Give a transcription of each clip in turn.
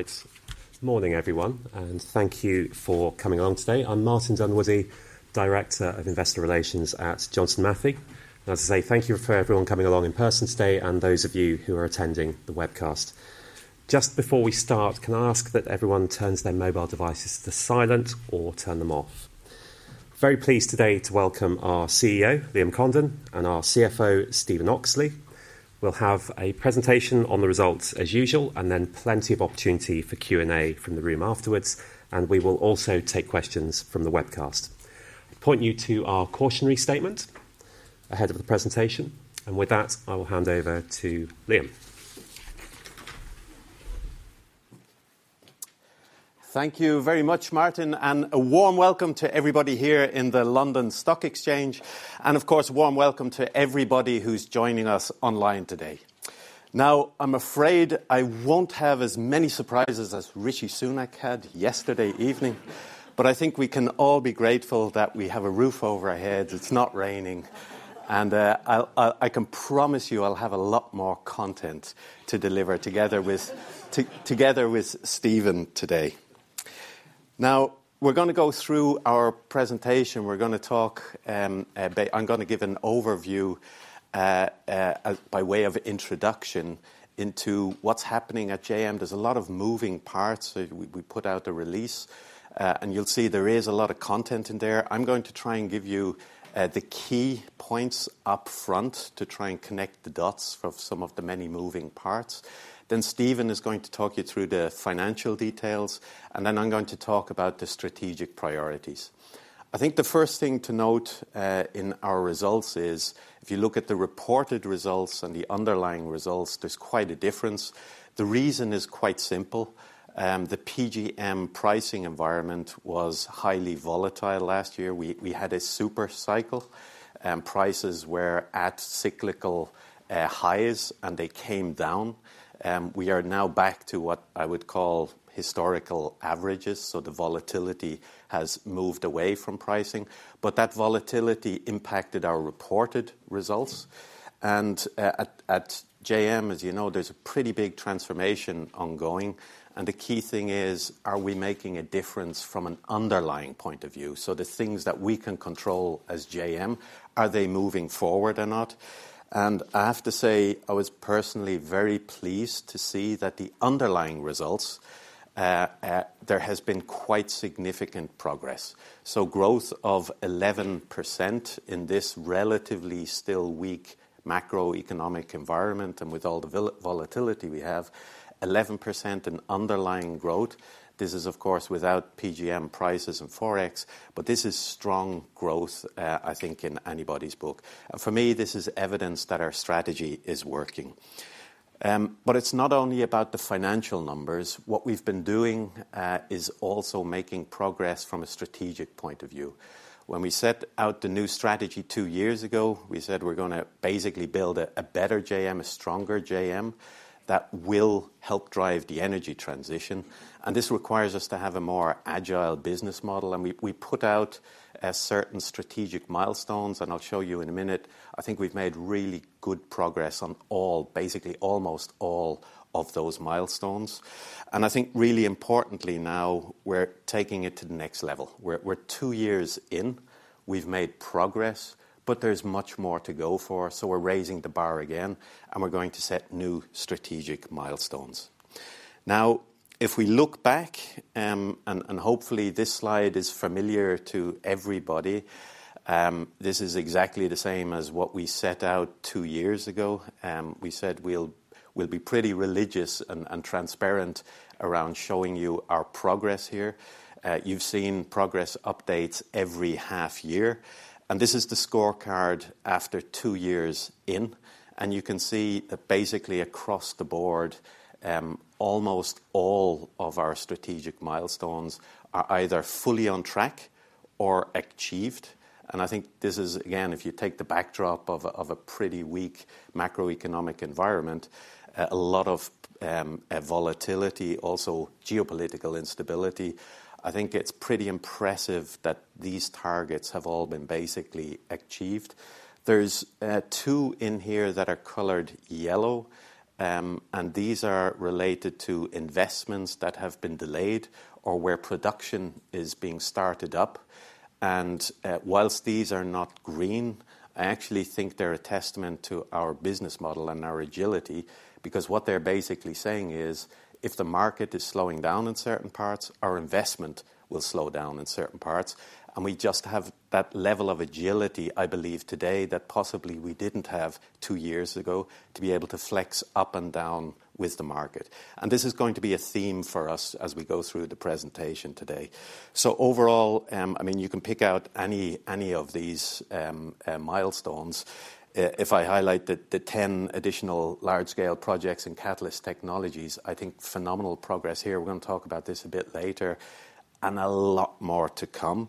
Right. Morning, everyone, and thank you for coming along today. I'm Martin Dunwoodie, Director of Investor Relations at Johnson Matthey. As I say, thank you for everyone coming along in person today and those of you who are attending the webcast. Just before we start, can I ask that everyone turns their mobile devices to silent or turn them off? Very pleased today to welcome our CEO, Liam Condon, and our CFO, Stephen Oxley. We'll have a presentation on the results as usual, and then plenty of opportunity for Q&A from the room afterwards, and we will also take questions from the webcast. Point you to our cautionary statement ahead of the presentation, and with that, I will hand over to Liam. Thank you very much, Martin, and a warm welcome to everybody here in the London Stock Exchange. And of course, a warm welcome to everybody who's joining us online today. Now, I'm afraid I won't have as many surprises as Rishi Sunak had yesterday evening, but I think we can all be grateful that we have a roof over our heads. It's not raining, and I'll—I can promise you I'll have a lot more content to deliver together with Stephen today. Now, we're gonna go through our presentation. We're gonna talk a bit. I'm gonna give an overview as by way of introduction into what's happening at JM. There's a lot of moving parts. We put out a release, and you'll see there is a lot of content in there. I'm going to try and give you the key points up front to try and connect the dots of some of the many moving parts. Then Stephen is going to talk you through the financial details, and then I'm going to talk about the strategic priorities. I think the first thing to note in our results is if you look at the reported results and the underlying results, there's quite a difference. The reason is quite simple. The PGM pricing environment was highly volatile last year. We, we had a super cycle, and prices were at cyclical highs, and they came down. We are now back to what I would call historical averages, so the volatility has moved away from pricing, but that volatility impacted our reported results. At JM, as you know, there's a pretty big transformation ongoing, and the key thing is, are we making a difference from an underlying point of view? So the things that we can control as JM, are they moving forward or not? And I have to say, I was personally very pleased to see that the underlying results, there has been quite significant progress. So growth of 11% in this relatively still weak macroeconomic environment, and with all the volatility we have, 11% in underlying growth. This is, of course, without PGM prices and Forex, but this is strong growth, I think in anybody's book. And for me, this is evidence that our strategy is working. But it's not only about the financial numbers. What we've been doing is also making progress from a strategic point of view. When we set out the new strategy two years ago, we said we're gonna basically build a better JM, a stronger JM, that will help drive the energy transition, and this requires us to have a more agile business model. We put out certain strategic milestones, and I'll show you in a minute. I think we've made really good progress on all, basically almost all of those milestones. I think really importantly now, we're taking it to the next level. We're two years in. We've made progress, but there's much more to go for, so we're raising the bar again, and we're going to set new strategic milestones. Now, if we look back, and hopefully, this slide is familiar to everybody, this is exactly the same as what we set out two years ago. We said we'll be pretty religious and transparent around showing you our progress here. You've seen progress updates every half year, and this is the scorecard after two years in, and you can see that basically across the board, almost all of our strategic milestones are either fully on track or achieved. And I think this is, again, if you take the backdrop of a pretty weak macroeconomic environment, a lot of volatility, also geopolitical instability, I think it's pretty impressive that these targets have all been basically achieved. There's two in here that are colored yellow, and these are related to investments that have been delayed or where production is being started up. And, while these are not green, I actually think they're a testament to our business model and our agility because what they're basically saying is if the market is slowing down in certain parts, our investment will slow down in certain parts. And we just have that level of agility, I believe, today, that possibly we didn't have two years ago to be able to flex up and down with the market. And this is going to be a theme for us as we go through the presentation today. So overall, I mean, you can pick out any of these milestones. If I highlight the 10 additional large-scale projects in Catalyst Technologies, I think phenomenal progress here. We're going to talk about this a bit later, and a lot more to come.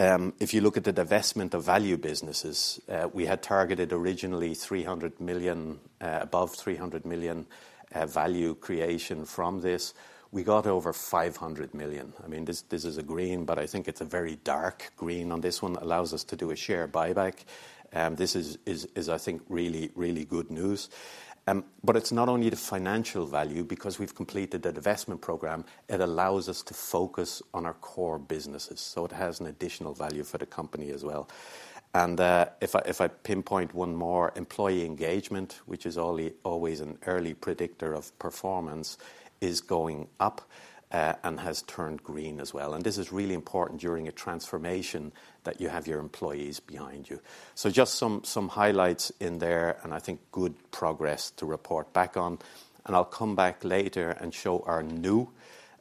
If you look at the divestment Value Businesses, we had targeted originally 300 million, above 300 million, value creation from this. We got over 500 million. I mean, this, this is a green, but I think it's a very dark green on this one. Allows us to do a share buyback, and this is I think, really, really good news. But it's not only the financial value, because we've completed the divestment program, it allows us to focus on our core businesses, so it has an additional value for the company as well. And if I pinpoint one more, employee engagement, which is only always an early predictor of performance, is going up, and has turned green as well. And this is really important during a transformation that you have your employees behind you. Just some highlights in there, and I think good progress to report back on. I'll come back later and show our new,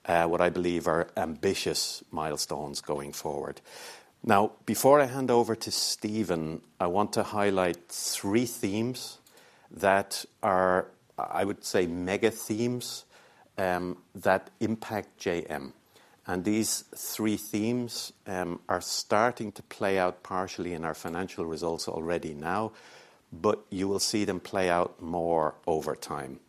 what I believe are ambitious milestones going forward. Now, before I hand over to Stephen, I want to highlight three themes that are, I would say, mega themes that impact JM. These three themes are starting to play out partially in our financial results already now, but you will see them play out more over time.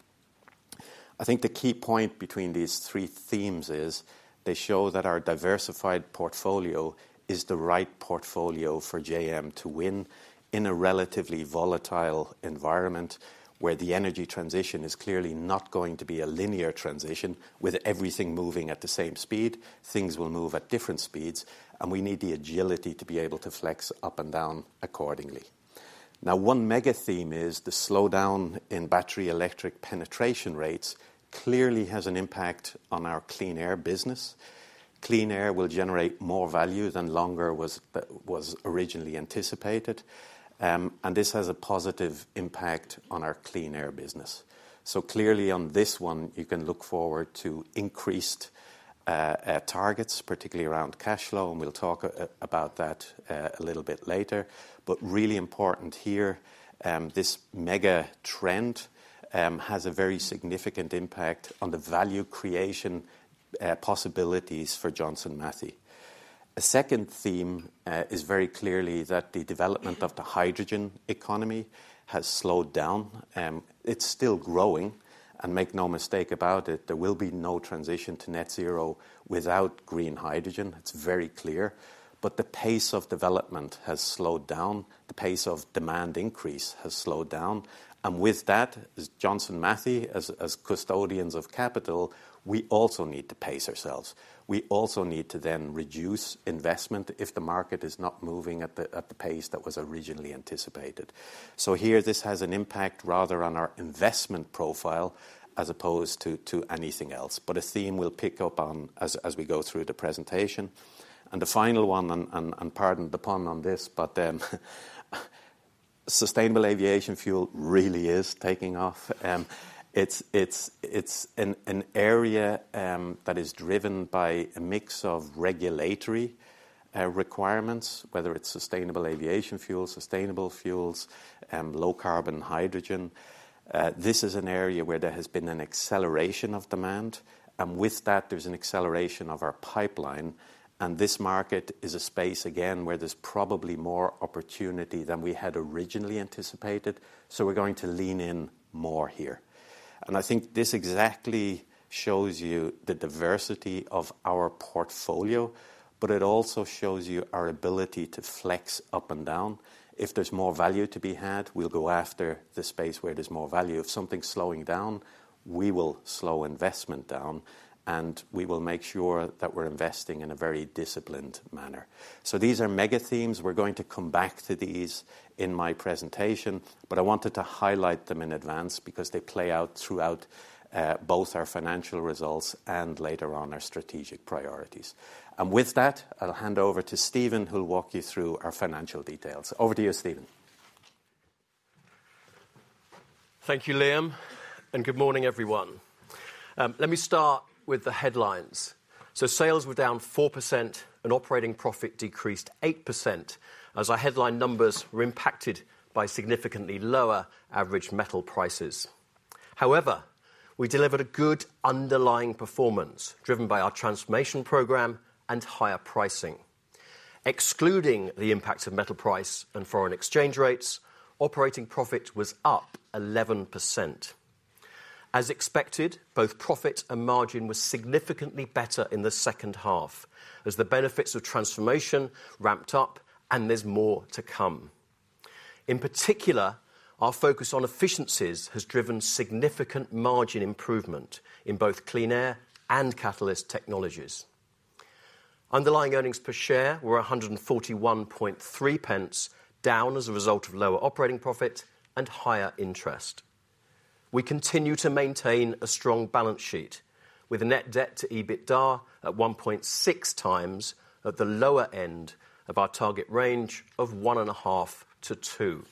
I think the key point between these three themes is they show that our diversified portfolio is the right portfolio for JM to win in a relatively volatile environment, where the energy transition is clearly not going to be a linear transition with everything moving at the same speed. Things will move at different speeds, and we need the agility to be able to flex up and down accordingly. Now, one mega theme is the slowdown in battery electric penetration rates clearly has an impact on our Clean Air business. Clean Air will generate more value than was originally anticipated, and this has a positive impact on our Clean Air business. So clearly, on this one, you can look forward to increased targets, particularly around cash flow, and we'll talk about that a little bit later. But really important here, this mega trend has a very significant impact on the value creation possibilities for Johnson Matthey. A second theme is very clearly that the development of the hydrogen economy has slowed down, it's still growing, and make no mistake about it, there will be no transition to net zero without green hydrogen. It's very clear. But the pace of development has slowed down, the pace of demand increase has slowed down, and with that, as Johnson Matthey, as custodians of capital, we also need to pace ourselves. We also need to then reduce investment if the market is not moving at the pace that was originally anticipated. So here, this has an impact rather on our investment profile as opposed to anything else. But a theme we'll pick up on as we go through the presentation. And the final one, pardon the pun on this, but sustainable aviation fuel really is taking off. It's an area that is driven by a mix of regulatory requirements, whether it's sustainable aviation fuels, sustainable fuels, low carbon hydrogen. This is an area where there has been an acceleration of demand, and with that, there's an acceleration of our pipeline, and this market is a space, again, where there's probably more opportunity than we had originally anticipated, so we're going to lean in more here. And I think this exactly shows you the diversity of our portfolio, but it also shows you our ability to flex up and down. If there's more value to be had, we'll go after the space where there's more value. If something's slowing down, we will slow investment down, and we will make sure that we're investing in a very disciplined manner. So these are mega themes. We're going to come back to these in my presentation, but I wanted to highlight them in advance because they play out throughout both our financial results and later on, our strategic priorities. With that, I'll hand over to Stephen, who'll walk you through our financial details. Over to you, Stephen. Thank you, Liam, and good morning, everyone. Let me start with the headlines. So sales were down 4% and operating profit decreased 8%, as our headline numbers were impacted by significantly lower average metal prices. However, we delivered a good underlying performance, driven by our transformation program and higher pricing. Excluding the impact of metal price and foreign exchange rates, operating profit was up 11%. As expected, both profit and margin were significantly better in the second half, as the benefits of transformation ramped up and there's more to come. In particular, our focus on efficiencies has driven significant margin improvement in both Clean Air and Catalyst Technologies. Underlying earnings per share were 141.3 pence, down as a result of lower operating profit and higher interest. We continue to maintain a strong balance sheet, with a net debt to EBITDA at 1.6 times at the lower end of our target range of 1.5-2.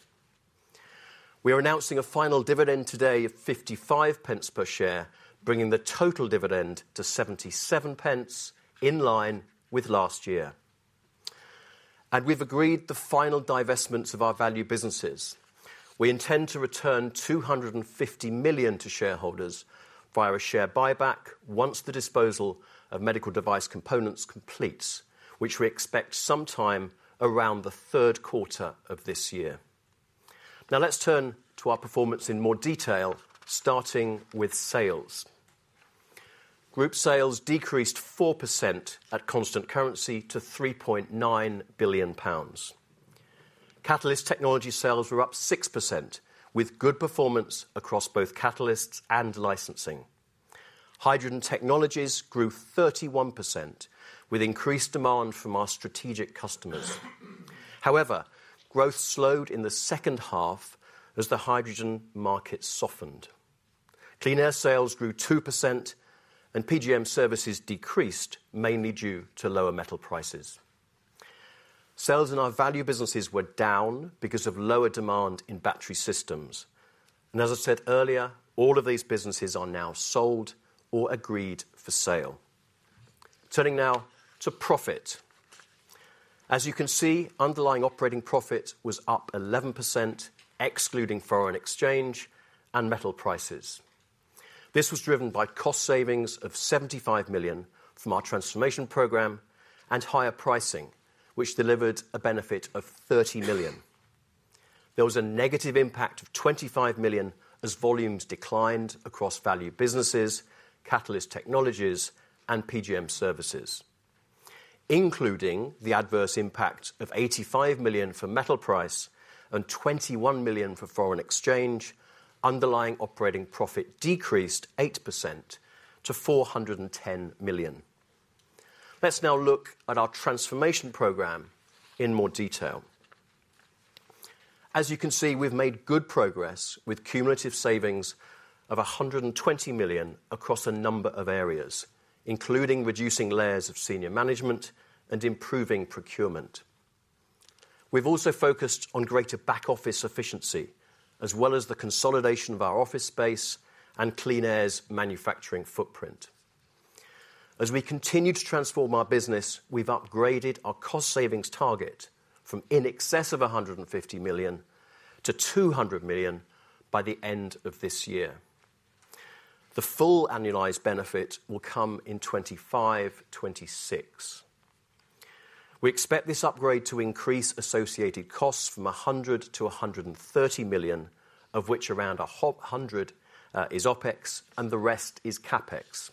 We are announcing a final dividend today of 0.55 per share, bringing the total dividend to 0.77, in line with last year. We've agreed the final divestments of Value Businesses. we intend to return 250 million to shareholders via a share buyback once the disposal of Medical Device Components completes, which we expect sometime around the third quarter of this year. Now, let's turn to our performance in more detail, starting with sales. Group sales decreased 4% at constant currency to 3.9 billion pounds. Catalyst technology sales were up 6%, with good performance across both catalysts and licensing.... Hydrogen Technologies grew 31%, with increased demand from our strategic customers. However, growth slowed in the second half as the hydrogen market softened. Clean Air sales grew 2%, and PGM Services decreased, mainly due to lower metal prices. Sales in Value Businesses were down because of lower demand in Battery Systems. And as I said earlier, all of these businesses are now sold or agreed for sale. Turning now to profit. As you can see, underlying operating profit was up 11%, excluding foreign exchange and metal prices. This was driven by cost savings of 75 million from our transformation program and higher pricing, which delivered a benefit of 30 million. There was a negative impact of 25 million as volumes declined Value Businesses, catalyst Technologies, and PGM Services. Including the adverse impact of 85 million for metal price and 21 million for foreign exchange, underlying operating profit decreased 8% to 410 million. Let's now look at our transformation program in more detail. As you can see, we've made good progress with cumulative savings of 120 million across a number of areas, including reducing layers of senior management and improving procurement. We've also focused on greater back-office efficiency, as well as the consolidation of our office space and Clean Air's manufacturing footprint. As we continue to transform our business, we've upgraded our cost savings target from in excess of 150 million to 200 million by the end of this year. The full annualized benefit will come in 2025, 2026. We expect this upgrade to increase associated costs from 100 million to 130 million, of which around 100 million is OpEx and the rest is CapEx.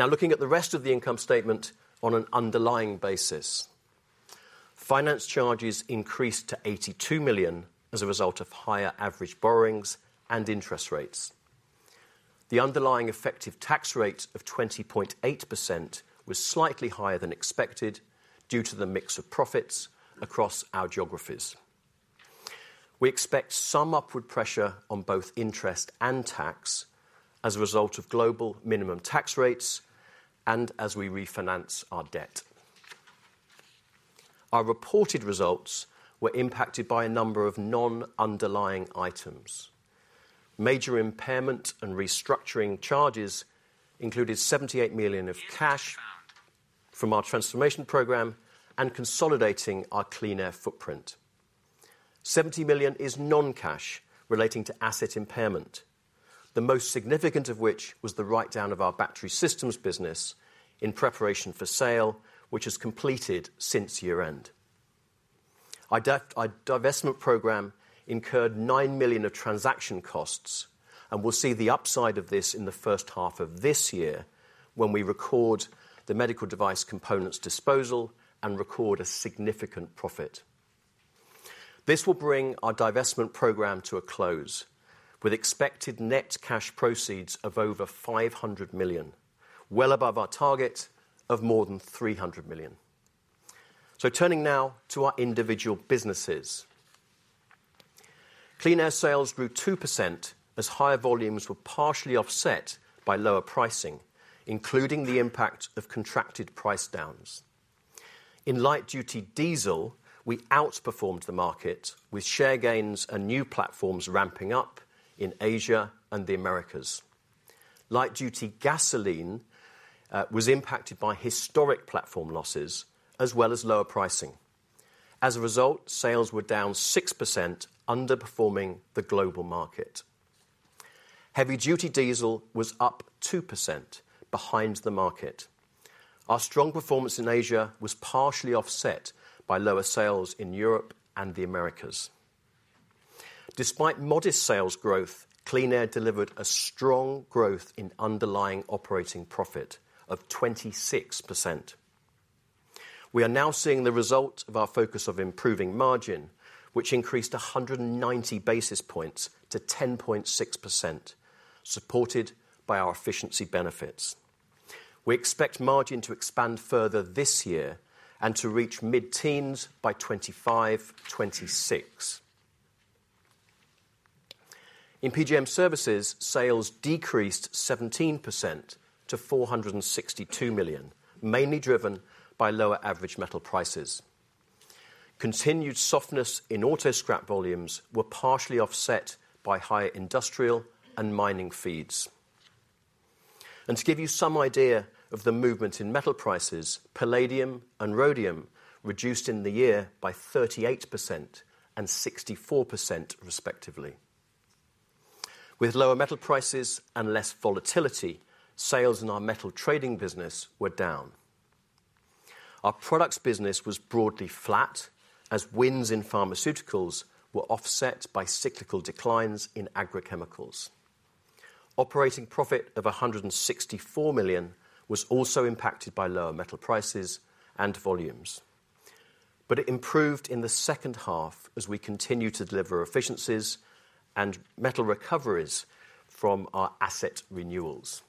Now, looking at the rest of the income statement on an underlying basis. Finance charges increased to 82 million as a result of higher average borrowings and interest rates. The underlying effective tax rate of 20.8% was slightly higher than expected due to the mix of profits across our geographies. We expect some upward pressure on both interest and tax as a result of global minimum tax rates and as we refinance our debt. Our reported results were impacted by a number of non-underlying items. Major impairment and restructuring charges included 78 million of cash from our transformation program and consolidating our Clean Air footprint. 70 million is non-cash relating to asset impairment, the most significant of which was the write-down of our Battery Systems business in preparation for sale, which has completed since year-end. Our divestment program incurred 9 million of transaction costs, and we'll see the upside of this in the first half of this year when we record the Medical Device Components disposal and record a significant profit. This will bring our divestment program to a close, with expected net cash proceeds of over 500 million, well above our target of more than 300 million. Turning now to our individual businesses. Clean Air sales grew 2% as higher volumes were partially offset by lower pricing, including the impact of contracted price downs. In light-duty diesel, we outperformed the market with share gains and new platforms ramping up in Asia and the Americas. Light-duty gasoline was impacted by historic platform losses as well as lower pricing. As a result, sales were down 6%, underperforming the global market. Heavy-duty diesel was up 2% behind the market. Our strong performance in Asia was partially offset by lower sales in Europe and the Americas. Despite modest sales growth, Clean Air delivered a strong growth in underlying operating profit of 26%. We are now seeing the result of our focus on improving margin, which increased 190 basis points to 10.6%, supported by our efficiency benefits. We expect margin to expand further this year and to reach mid-teens by 2025, 2026. In PGM Services, sales decreased 17% to 462 million, mainly driven by lower average metal prices. Continued softness in auto scrap volumes were partially offset by higher industrial and mining feeds. And to give you some idea of the movement in metal prices, palladium and rhodium reduced in the year by 38% and 64%, respectively. With lower metal prices and less volatility, sales in our metal trading business were down. Our products business was broadly flat as wins in pharmaceuticals were offset by cyclical declines in agrochemicals. Operating profit of 164 million was also impacted by lower metal prices and volumes... but it improved in the second half as we continued to deliver efficiencies and metal recoveries from our asset renewals.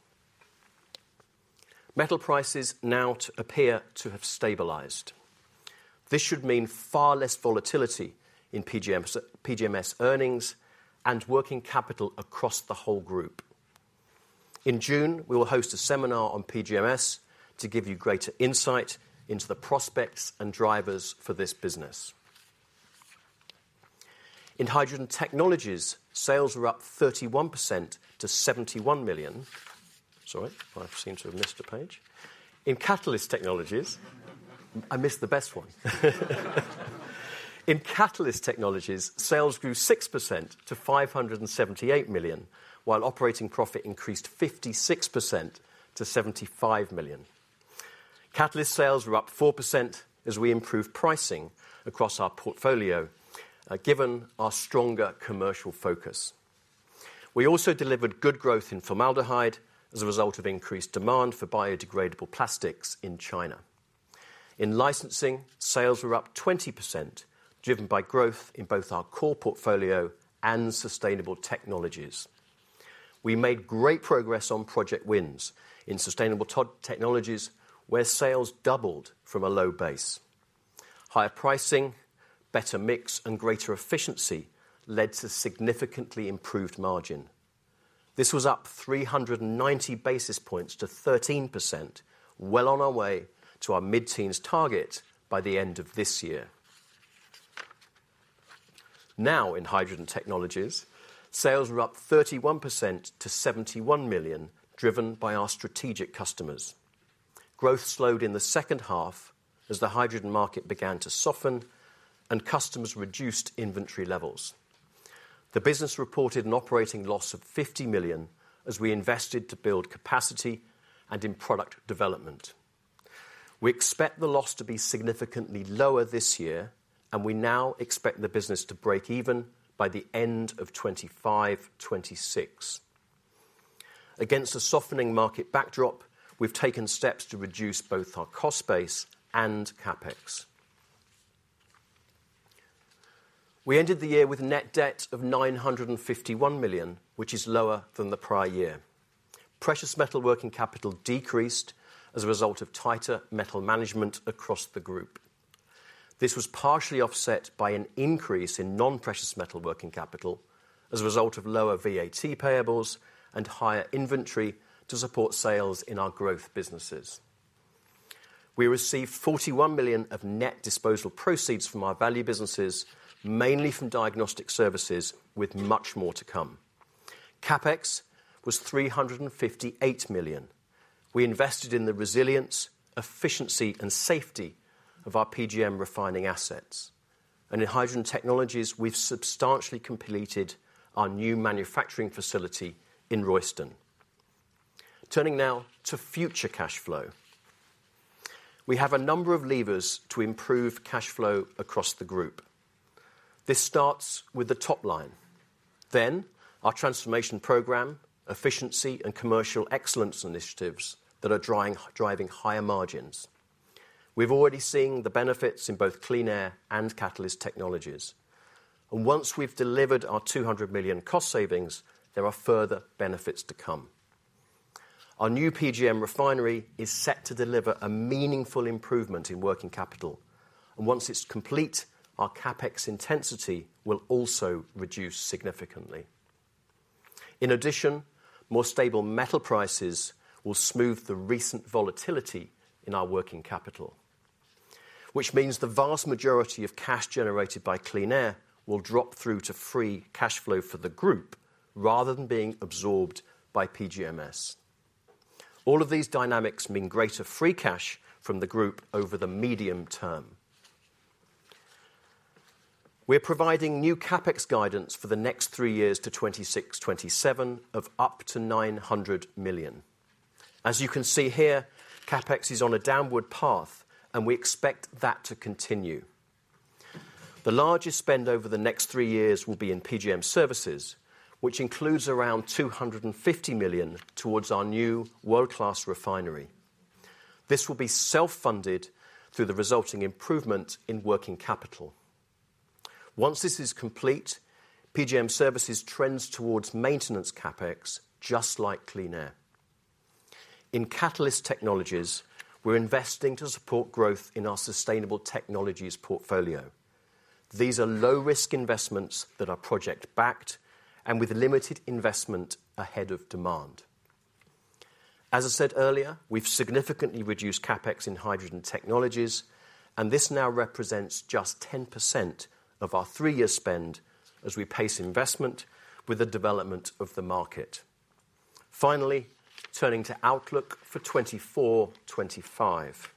Metal prices now appear to have stabilized. This should mean far less volatility in PGM, PGMS earnings and working capital across the whole group. In June, we will host a seminar on PGMS to give you greater insight into the prospects and drivers for this business. In Hydrogen Technologies, sales were up 31% to 71 million. Sorry, I seem to have missed a page. In Catalyst Technologies, I missed the best one. In Catalyst Technologies, sales grew 6% to 578 million, while operating profit increased 56% to 75 million. Catalyst sales were up 4% as we improved pricing across our portfolio, given our stronger commercial focus. We also delivered good growth in formaldehyde as a result of increased demand for biodegradable plastics in China. In licensing, sales were up 20%, driven by growth in both our core portfolio and Sustainable Technologies. We made great progress on project wins in Sustainable Technologies, where sales doubled from a low base. Higher pricing, better mix, and greater efficiency led to significantly improved margin. This was up 390 basis points to 13%, well on our way to our mid-teens target by the end of this year. Now, in Hydrogen Technologies, sales were up 31% to 71 million, driven by our strategic customers. Growth slowed in the second half as the hydrogen market began to soften and customers reduced inventory levels. The business reported an operating loss of 50 million as we invested to build capacity and in product development. We expect the loss to be significantly lower this year, and we now expect the business to break even by the end of 2025, 2026. Against a softening market backdrop, we've taken steps to reduce both our cost base and CapEx. We ended the year with net debt of 951 million, which is lower than the prior year. Precious metal working capital decreased as a result of tighter metal management across the group. This was partially offset by an increase in non-precious metal working capital as a result of lower VAT payables and higher inventory to support sales in our growth businesses. We received 41 million of net disposal proceeds from Value Businesses, mainly from Diagnostic Services, with much more to come. CapEx was 358 million. We invested in the resilience, efficiency, and safety of our PGM refining assets, and in Hydrogen Technologies, we've substantially completed our new manufacturing facility in Royston. Turning now to future cash flow. We have a number of levers to improve cash flow across the group. This starts with the top line, then our transformation program, efficiency, and commercial excellence initiatives that are driving higher margins. We've already seen the benefits in both Clean Air and Catalyst Technologies, and once we've delivered our 200 million cost savings, there are further benefits to come. Our new PGM refinery is set to deliver a meaningful improvement in working capital, and once it's complete, our CapEx intensity will also reduce significantly. In addition, more stable metal prices will smooth the recent volatility in our working capital, which means the vast majority of cash generated by Clean Air will drop through to free cash flow for the group, rather than being absorbed by PGMS. All of these dynamics mean greater free cash from the group over the medium term. We're providing new CapEx guidance for the next three years to 2026, 2027 of up to 900 million. As you can see here, CapEx is on a downward path, and we expect that to continue. The largest spend over the next 3 years will be in PGM Services, which includes around 250 million towards our new world-class refinery. This will be self-funded through the resulting improvement in working capital. Once this is complete, PGM Services trends towards maintenance CapEx, just like Clean Air. In Catalyst Technologies, we're investing to support growth in our Sustainable Technologies portfolio. These are low-risk investments that are project-backed and with limited investment ahead of demand. As I said earlier, we've significantly reduced CapEx in Hydrogen Technologies, and this now represents just 10% of our 3-year spend as we pace investment with the development of the market. Finally, turning to outlook for 2024, 2025.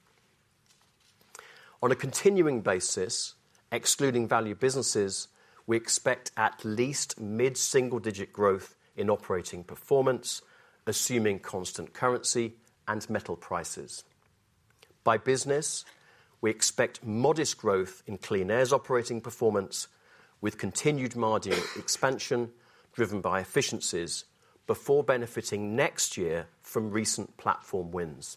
On a continuing basis, Value Businesses, we expect at least mid-single-digit growth in operating performance, assuming constant currency and metal prices. By business, we expect modest growth in Clean Air's operating performance, with continued margin expansion driven by efficiencies before benefiting next year from recent platform wins.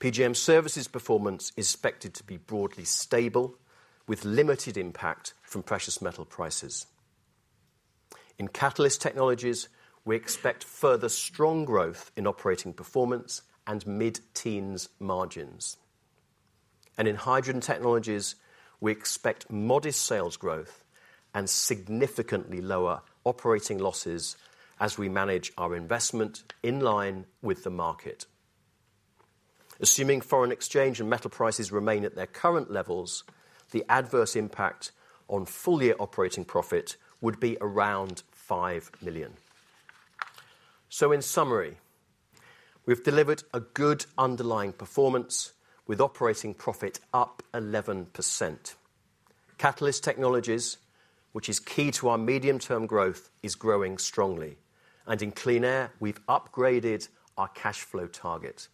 PGM Services performance is expected to be broadly stable, with limited impact from precious metal prices. In Catalyst Technologies, we expect further strong growth in operating performance and mid-teens margins. And in Hydrogen Technologies, we expect modest sales growth and significantly lower operating losses as we manage our investment in line with the market. Assuming foreign exchange and metal prices remain at their current levels, the adverse impact on full-year operating profit would be around 5 million. So in summary, we've delivered a good underlying performance, with operating profit up 11%. Catalyst Technologies, which is key to our medium-term growth, is growing strongly. And in Clean Air, we've upgraded our cash flow target.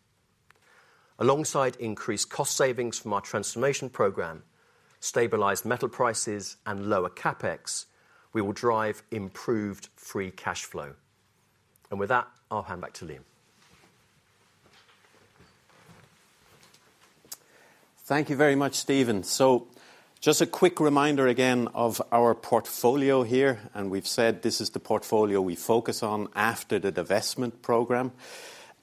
Alongside increased cost savings from our transformation program, stabilized metal prices, and lower CapEx, we will drive improved free cash flow. With that, I'll hand back to Liam. Thank you very much, Stephen. So just a quick reminder again of our portfolio here, and we've said this is the portfolio we focus on after the divestment program.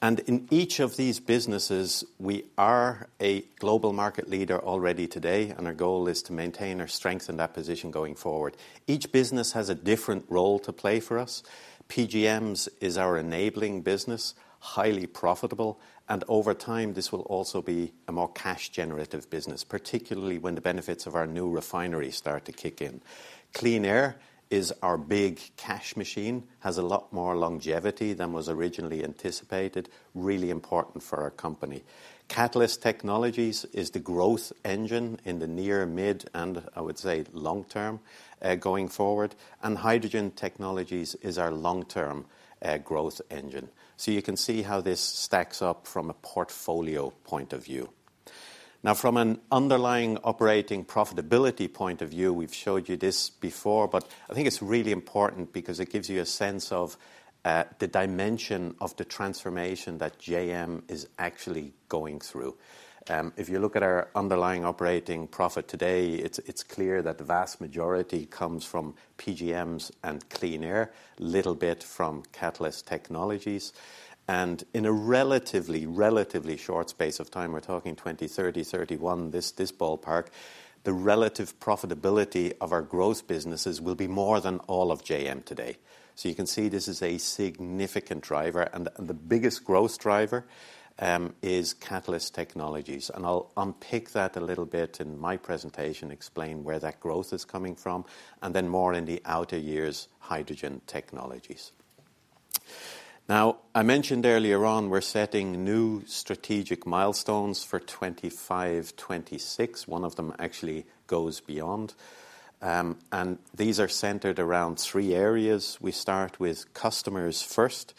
And in each of these businesses, we are a global market leader already today, and our goal is to maintain or strengthen that position going forward. Each business has a different role to play for us. PGMs is our enabling business, highly profitable, and over time, this will also be a more cash-generative business, particularly when the benefits of our new refinery start to kick in. Clean Air is our big cash machine. Has a lot more longevity than was originally anticipated, really important for our company. Catalyst Technologies is the growth engine in the near, mid, and I would say long term, going forward. And Hydrogen Technologies is our long-term, growth engine. So you can see how this stacks up from a portfolio point of view. Now, from an underlying operating profitability point of view, we've showed you this before, but I think it's really important because it gives you a sense of the dimension of the transformation that JM is actually going through. If you look at our underlying operating profit today, it's clear that the vast majority comes from PGMs and Clean Air, little bit from Catalyst Technologies. And in a relatively, relatively short space of time, we're talking 2030, 31, this, this ballpark, the relative profitability of our growth businesses will be more than all of JM today. So you can see this is a significant driver, and the biggest growth driver is Catalyst Technologies. I'll unpick that a little bit in my presentation, explain where that growth is coming from, and then more in the outer years, Hydrogen Technologies. Now, I mentioned earlier on, we're setting new strategic milestones for 2025, 2026. One of them actually goes beyond. And these are centered around three areas. We start with customers first.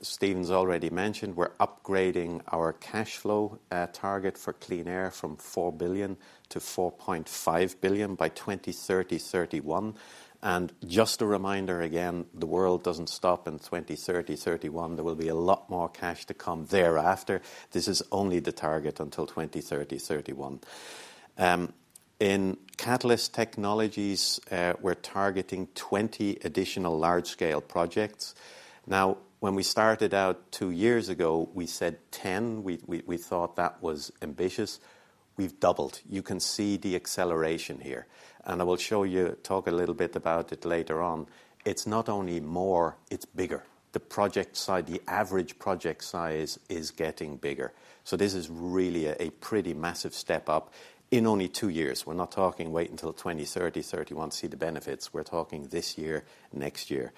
Stephen's already mentioned, we're upgrading our cash flow target for Clean Air from 4 billion to 4.5 billion by 2030, 2031. And just a reminder, again, the world doesn't stop in 2030, 2031. There will be a lot more cash to come thereafter. This is only the target until 2030, 2031. In Catalyst Technologies, we're targeting 20 additional large-scale projects. Now, when we started out two years ago, we said 10. We thought that was ambitious. We've doubled. You can see the acceleration here, and I will show you, talk a little bit about it later on. It's not only more, it's bigger. The project size, the average project size is getting bigger. So this is really a pretty massive step up in only two years. We're not talking wait until 2030, 2031 to see the benefits. We're talking this year, next year.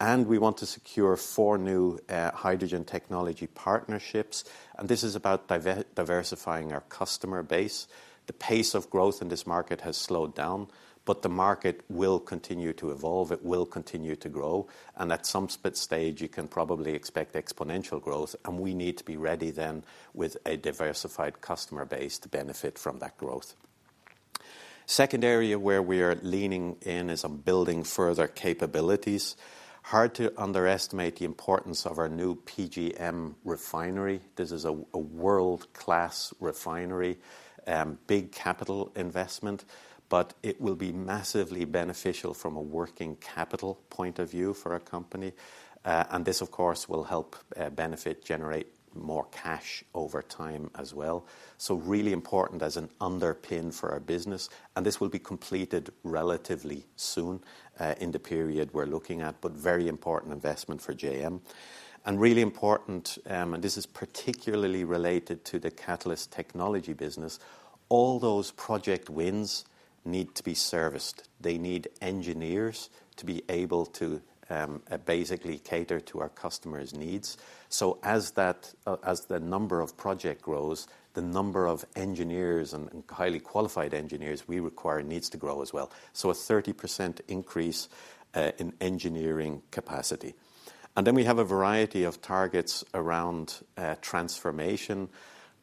And we want to secure four new hydrogen technology partnerships, and this is about diversifying our customer base. The pace of growth in this market has slowed down, but the market will continue to evolve, it will continue to grow, and at some stage, you can probably expect exponential growth, and we need to be ready then with a diversified customer base to benefit from that growth. Second area where we are leaning in is on building further capabilities. Hard to underestimate the importance of our new PGM refinery. This is a world-class refinery, big capital investment, but it will be massively beneficial from a working capital point of view for our company. And this, of course, will help benefit generate more cash over time as well. So really important as an underpin for our business, and this will be completed relatively soon, in the period we're looking at, but very important investment for JM. And really important, and this is particularly related to the Catalyst Technologies business, all those project wins need to be serviced. They need engineers to be able to basically cater to our customers' needs. So as that, as the number of project grows, the number of engineers and highly qualified engineers we require needs to grow as well. So a 30% increase in engineering capacity. And then we have a variety of targets around transformation,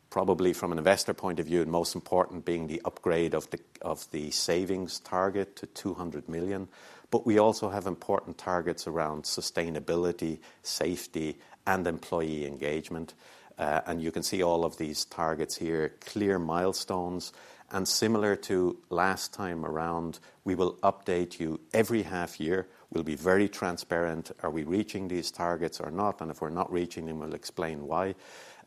probably from an investor point of view, and most important being the upgrade of the savings target to 200 million. But we also have important targets around sustainability, safety, and employee engagement. And you can see all of these targets here, clear milestones. And similar to last time around, we will update you every half year. We'll be very transparent. Are we reaching these targets or not? And if we're not reaching them, we'll explain why.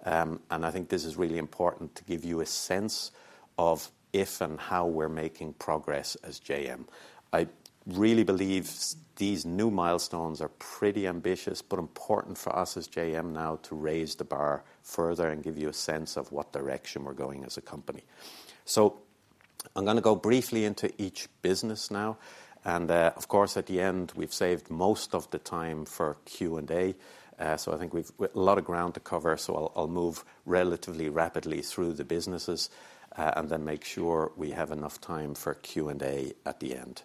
And I think this is really important to give you a sense of if and how we're making progress as JM. I really believe these new milestones are pretty ambitious but important for us as JM now to raise the bar further and give you a sense of what direction we're going as a company. So I'm gonna go briefly into each business now, and, of course, at the end, we've saved most of the time for Q&A. So I think we've a lot of ground to cover, so I'll move relatively rapidly through the businesses, and then make sure we have enough time for Q&A at the end.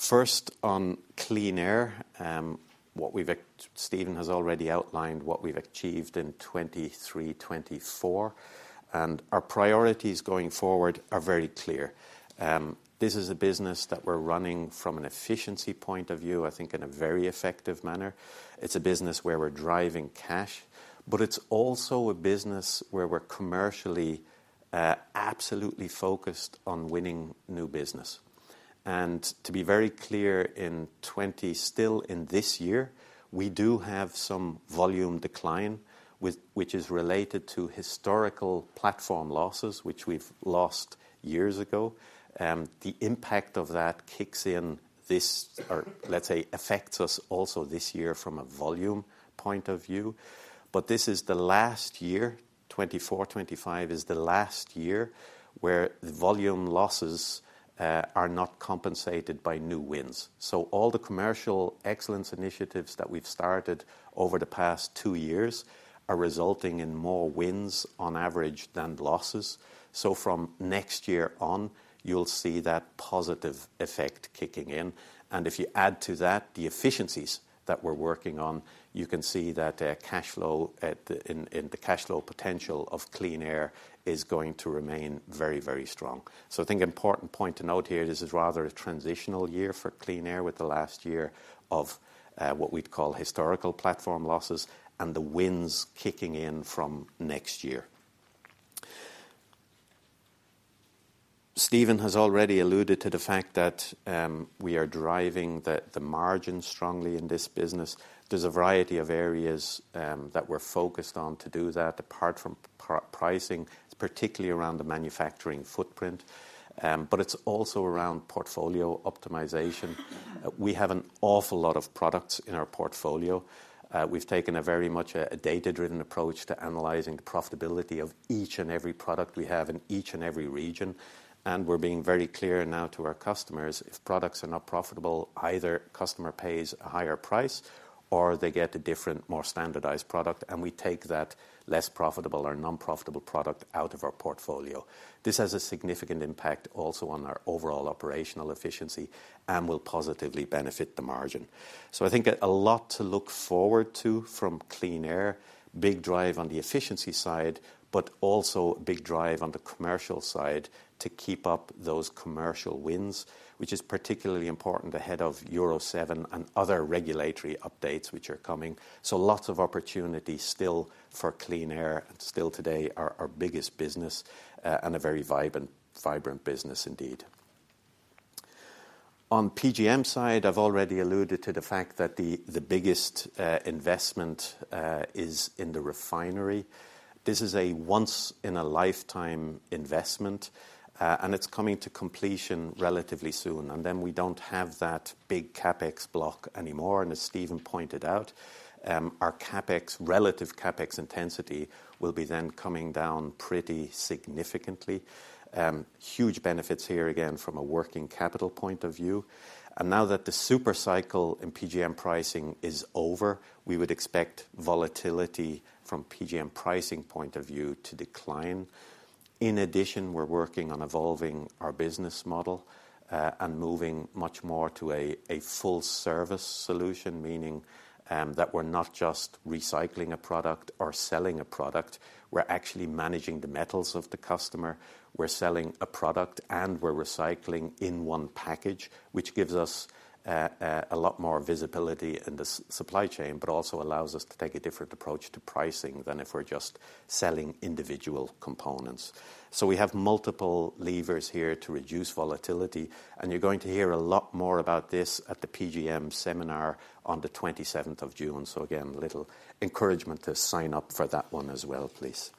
First, on Clean Air, what we've achieved, Steven has already outlined what we've achieved in 2023, 2024, and our priorities going forward are very clear. This is a business that we're running from an efficiency point of view, I think in a very effective manner. It's a business where we're driving cash, but it's also a business where we're commercially absolutely focused on winning new business. And to be very clear, still in this year, we do have some volume decline, which is related to historical platform losses, which we've lost years ago. The impact of that kicks in or let's say, affects us also this year from a volume point of view. But this is the last year, 2024, 2025 is the last year, where the volume losses are not compensated by new wins. So all the commercial excellence initiatives that we've started over the past two years are resulting in more wins on average than losses. So from next year on, you'll see that positive effect kicking in. If you add to that, the efficiencies that we're working on, you can see that cash flow in the cash flow potential of Clean Air is going to remain very, very strong. So I think an important point to note here, this is rather a transitional year for Clean Air, with the last year of what we'd call historical platform losses and the wins kicking in from next year. Stephen has already alluded to the fact that we are driving the margin strongly in this business. There's a variety of areas that we're focused on to do that, apart from pricing, it's particularly around the manufacturing footprint, but it's also around portfolio optimization. We have an awful lot of products in our portfolio. We've taken a very much a data-driven approach to analyzing the profitability of each and every product we have in each and every region, and we're being very clear now to our customers, if products are not profitable, either customer pays a higher price or they get a different, more standardized product, and we take that less profitable or non-profitable product out of our portfolio. This has a significant impact also on our overall operational efficiency and will positively benefit the margin. So I think a lot to look forward to from Clean Air. Big drive on the efficiency side, but also a big drive on the commercial side to keep up those commercial wins, which is particularly important ahead of Euro 7 and other regulatory updates which are coming. So lots of opportunities still for Clean Air, and still today, our biggest business, and a very vibrant, vibrant business indeed. On PGM side, I've already alluded to the fact that the biggest investment is in the refinery. This is a once-in-a-lifetime investment, and it's coming to completion relatively soon, and then we don't have that big CapEx block anymore. And as Steven pointed out, our CapEx, relative CapEx intensity, will be then coming down pretty significantly. Huge benefits here, again, from a working capital point of view. And now that the super cycle in PGM pricing is over, we would expect volatility from PGM pricing point of view to decline. In addition, we're working on evolving our business model, and moving much more to a full service solution, meaning that we're not just recycling a product or selling a product, we're actually managing the metals of the customer. We're selling a product, and we're recycling in one package, which gives us a lot more visibility in the supply chain, but also allows us to take a different approach to pricing than if we're just selling individual components. So we have multiple levers here to reduce volatility, and you're going to hear a lot more about this at the PGM seminar on the 27th of June. So again, a little encouragement to sign up for that one as well, please.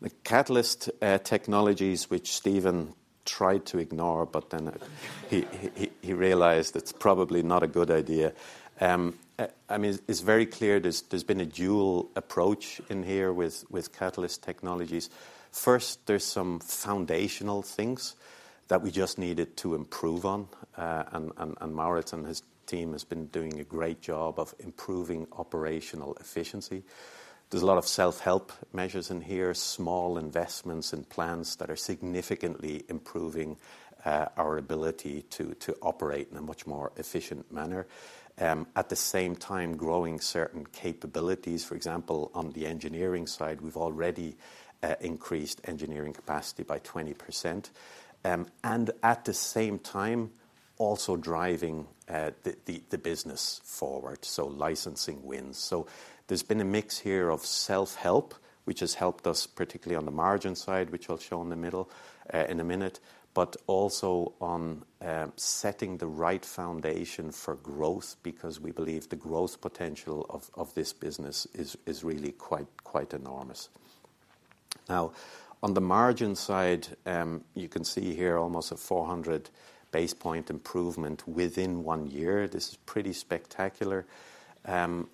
The Catalyst Technologies, which Stephen tried to ignore, but then he realized it's probably not a good idea. I mean, it's very clear there's been a dual approach in here with Catalyst Technologies. First, there's some foundational things that we just needed to improve on, and Maurits and his team has been doing a great job of improving operational efficiency. There's a lot of self-help measures in here, small investments and plans that are significantly improving our ability to operate in a much more efficient manner. At the same time, growing certain capabilities. For example, on the engineering side, we've already increased engineering capacity by 20%. And at the same time, also driving the business forward, so licensing wins. So there's been a mix here of self-help, which has helped us, particularly on the margin side, which I'll show in the middle in a minute, but also on setting the right foundation for growth because we believe the growth potential of this business is really quite enormous. Now, on the margin side, you can see here almost a 400 basis point improvement within one year. This is pretty spectacular. And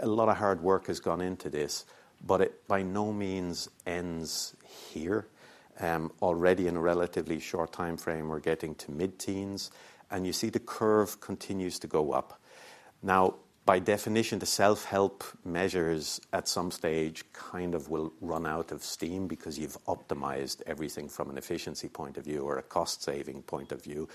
a lot of hard work has gone into this, but it by no means ends here. Already in a relatively short timeframe, we're getting to mid-teens, and you see the curve continues to go up. Now, by definition, the self-help measures at some stage kind of will run out of steam because you've optimized everything from an efficiency point of view or a cost-saving point of view.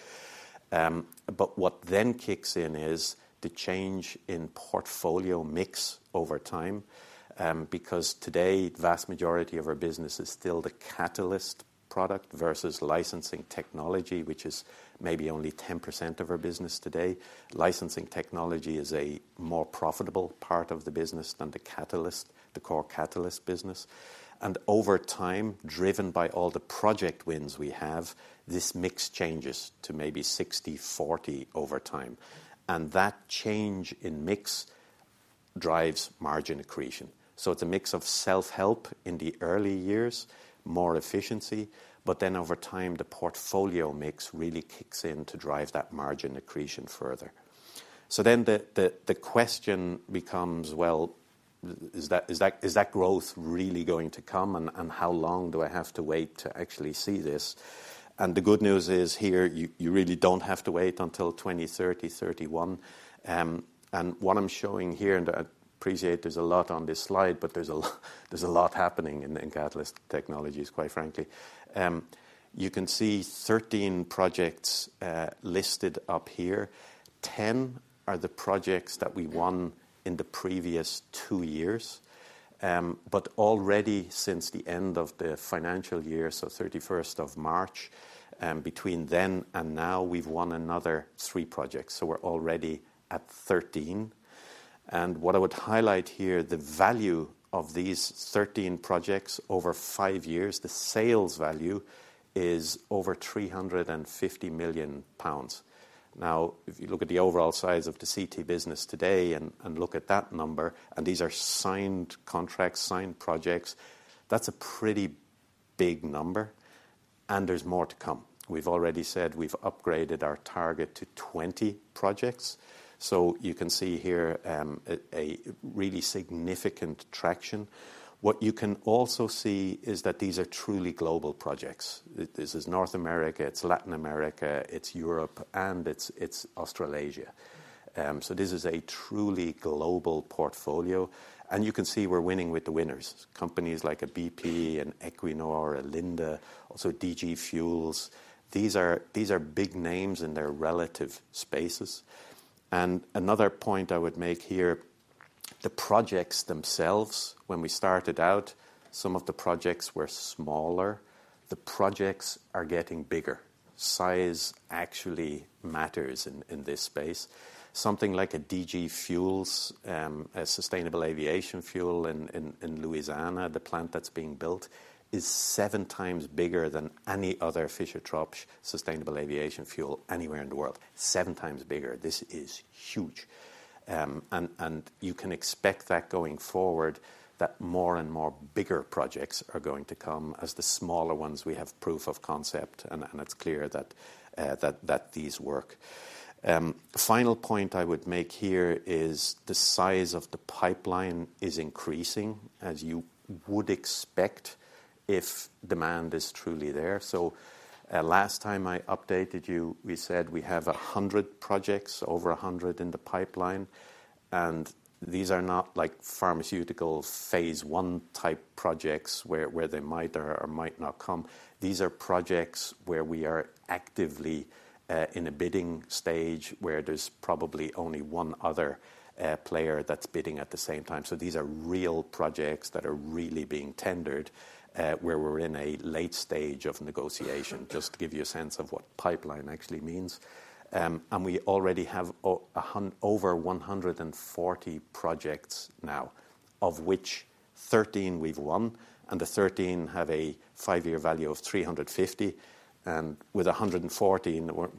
But what then kicks in is the change in portfolio mix over time, because today, vast majority of our business is still the catalyst product versus licensing technology, which is maybe only 10% of our business today. Licensing technology is a more profitable part of the business than the catalyst, the core catalyst business. And over time, driven by all the project wins we have, this mix changes to maybe 60/40 over time, and that change in mix drives margin accretion. So it's a mix of self-help in the early years, more efficiency, but then over time, the portfolio mix really kicks in to drive that margin accretion further. So then the question becomes, well, is that growth really going to come, and how long do I have to wait to actually see this? The good news is here, you, you really don't have to wait until 2030, 2031. And what I'm showing here, and I appreciate there's a lot on this slide, but there's a lot happening in the Catalyst Technologies, quite frankly. You can see 13 projects listed up here. 10 are the projects that we won in the previous two years. But already, since the end of the financial year, so 31st of March, between then and now, we've won another 3 projects, so we're already at 13. And what I would highlight here, the value of these 13 projects over five years, the sales value is over 350 million pounds. Now, if you look at the overall size of the CT business today and look at that number, and these are signed contracts, signed projects, that's a pretty big number, and there's more to come. We've already said we've upgraded our target to 20 projects, so you can see here a really significant traction. What you can also see is that these are truly global projects. This is North America, it's Latin America, it's Europe, and it's Australasia. So this is a truly global portfolio, and you can see we're winning with the winners. Companies like a BP, an Equinor, a Linde, also DG Fuels. These are big names in their relative spaces. And another point I would make here, the projects themselves, when we started out, some of the projects were smaller. The projects are getting bigger. Size actually matters in this space. Something like a DG Fuels sustainable aviation fuel in Louisiana, the plant that's being built, is 7 times bigger than any other Fischer-Tropsch sustainable aviation fuel anywhere in the world. 7 times bigger. This is huge. And you can expect that going forward, that more and more bigger projects are going to come as the smaller ones, we have proof of concept, and it's clear that that these work. Final point I would make here is the size of the pipeline is increasing, as you would expect if demand is truly there. So, last time I updated you, we said we have 100 projects, over 100 in the pipeline, and these are not like pharmaceutical phase I type projects, where they might or might not come. These are projects where we are actively in a bidding stage, where there's probably only one other player that's bidding at the same time. So these are real projects that are really being tendered, where we're in a late stage of negotiation, just to give you a sense of what pipeline actually means. And we already have over 140 projects now, of which 13 we've won, and the 13 have a five-year value of 350. With 114, we're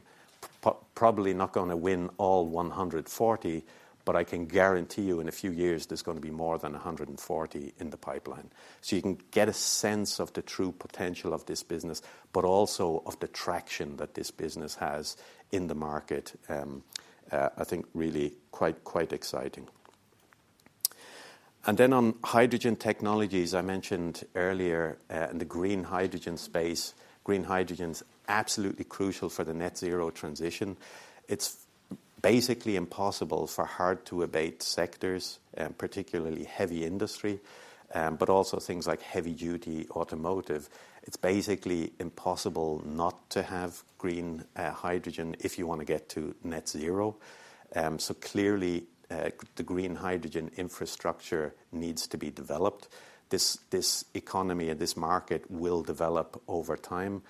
probably not gonna win all 140, but I can guarantee you, in a few years, there's gonna be more than 140 in the pipeline. So you can get a sense of the true potential of this business, but also of the traction that this business has in the market. I think really quite exciting. And then on Hydrogen Technologies, I mentioned earlier, in the green hydrogen space, green hydrogen's absolutely crucial for the net-zero transition. It's basically impossible for hard-to-abate sectors, particularly heavy industry, but also things like heavy-duty automotive. It's basically impossible not to have green hydrogen if you want to get to net zero. So clearly, the green hydrogen infrastructure needs to be developed. This economy and this market will develop over time,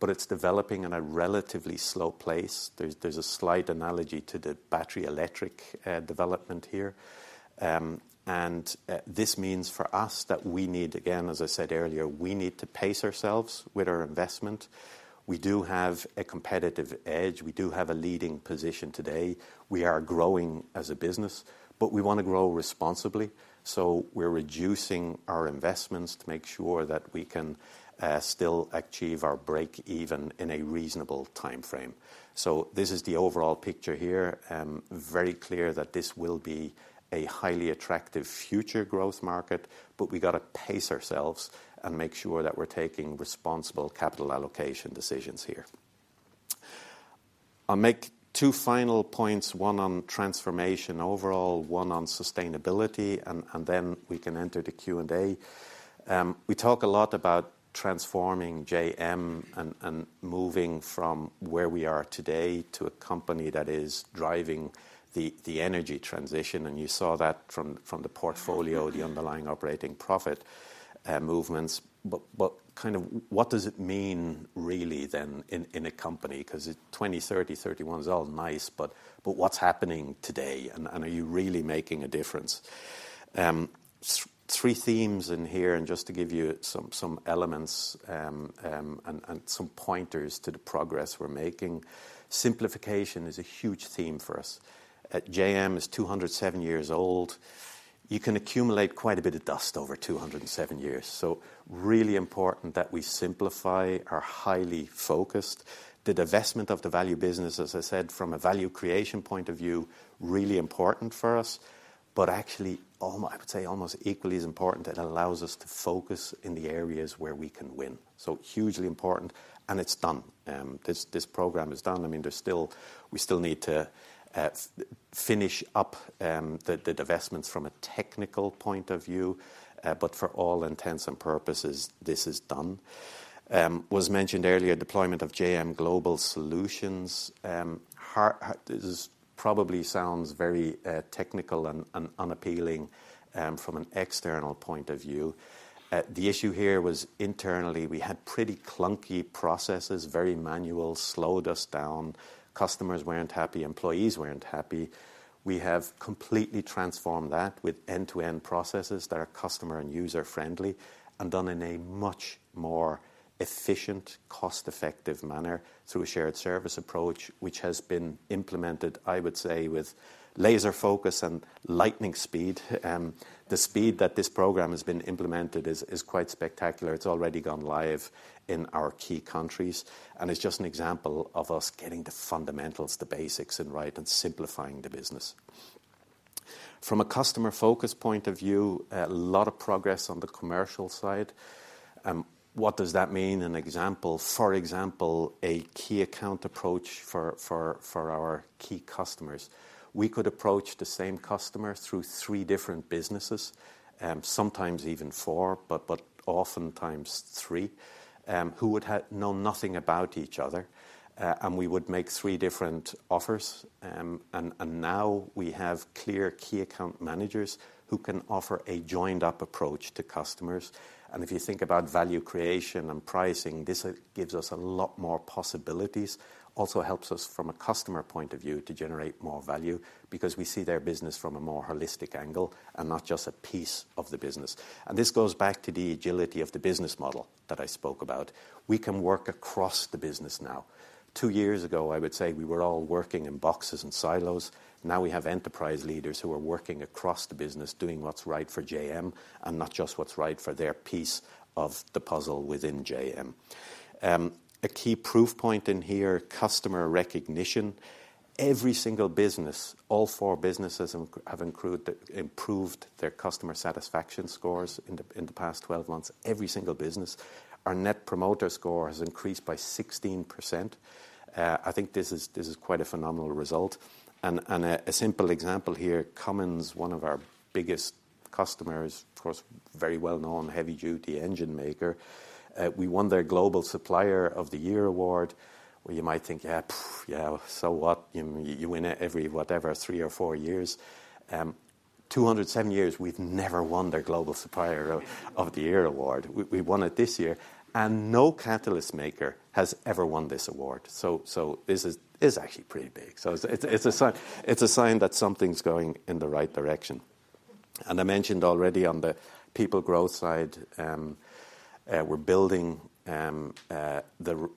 but it's developing in a relatively slow pace. There's a slight analogy to the battery electric development here. And, this means for us that we need, again, as I said earlier, we need to pace ourselves with our investment. We do have a competitive edge. We do have a leading position today. We are growing as a business, but we want to grow responsibly, so we're reducing our investments to make sure that we can still achieve our break even in a reasonable timeframe. So this is the overall picture here. Very clear that this will be a highly attractive future growth market, but we gotta pace ourselves and make sure that we're taking responsible capital allocation decisions here. I'll make two final points, one on transformation overall, one on sustainability, and then we can enter the Q&A. We talk a lot about transforming JM and moving from where we are today to a company that is driving the energy transition, and you saw that from the portfolio, the underlying operating profit movements. But kind of what does it mean really then in a company? 'Cause 2030, 2031 is all nice, but what's happening today, and are you really making a difference? Three themes in here, and just to give you some elements, and some pointers to the progress we're making. Simplification is a huge theme for us. At JM is 207 years old. You can accumulate quite a bit of dust over 207 years, so really important that we simplify, are highly focused. The divestment of the value business, as I said, from a value creation point of view, really important for us, but actually, almost equally as important, it allows us to focus in the areas where we can win. So hugely important, and it's done. This program is done. I mean, there's still... we still need to finish up the divestments from a technical point of view, but for all intents and purposes, this is done. Was mentioned earlier, deployment of JM Global Solutions. This probably sounds very technical and unappealing from an external point of view. The issue here was internally, we had pretty clunky processes, very manual, slowed us down. Customers weren't happy, employees weren't happy. We have completely transformed that with end-to-end processes that are customer and user-friendly, and done in a much more efficient, cost-effective manner through a shared service approach, which has been implemented, I would say, with laser focus and lightning speed. The speed that this program has been implemented is quite spectacular. It's already gone live in our key countries, and it's just an example of us getting the fundamentals, the basics in right and simplifying the business. From a customer focus point of view, a lot of progress on the commercial side. What does that mean? For example, a key account approach for our key customers. We could approach the same customer through three different businesses, sometimes even four, but oftentimes three, who would know nothing about each other, and we would make three different offers. And now we have clear key account managers who can offer a joined-up approach to customers. And if you think about value creation and pricing, this gives us a lot more possibilities. Also helps us from a customer point of view to generate more value because we see their business from a more holistic angle and not just a piece of the business. And this goes back to the agility of the business model that I spoke about. We can work across the business now. Two years ago, I would say we were all working in boxes and silos. Now we have enterprise leaders who are working across the business, doing what's right for JM and not just what's right for their piece of the puzzle within JM. A key proof point in here, customer recognition. Every single business, all four businesses, have improved their customer satisfaction scores in the, in the past 12 months, every single business. Our net promoter score has increased by 16%. I think this is, this is quite a phenomenal result, and, and a, a simple example here, Cummins, one of our biggest customers, of course, very well-known heavy duty engine maker, we won their Global Supplier of the Year award. Well, you might think, "Yeah, pfft, yeah, so what? You, you win it every, whatever, 3 or 4 years." 207 years, we've never won their Global Supplier of the Year award. We, we won it this year, and no catalyst maker has ever won this award. So this is actually pretty big. So it's, it's a sign, it's a sign that something's going in the right direction. And I mentioned already on the people growth side, we're building the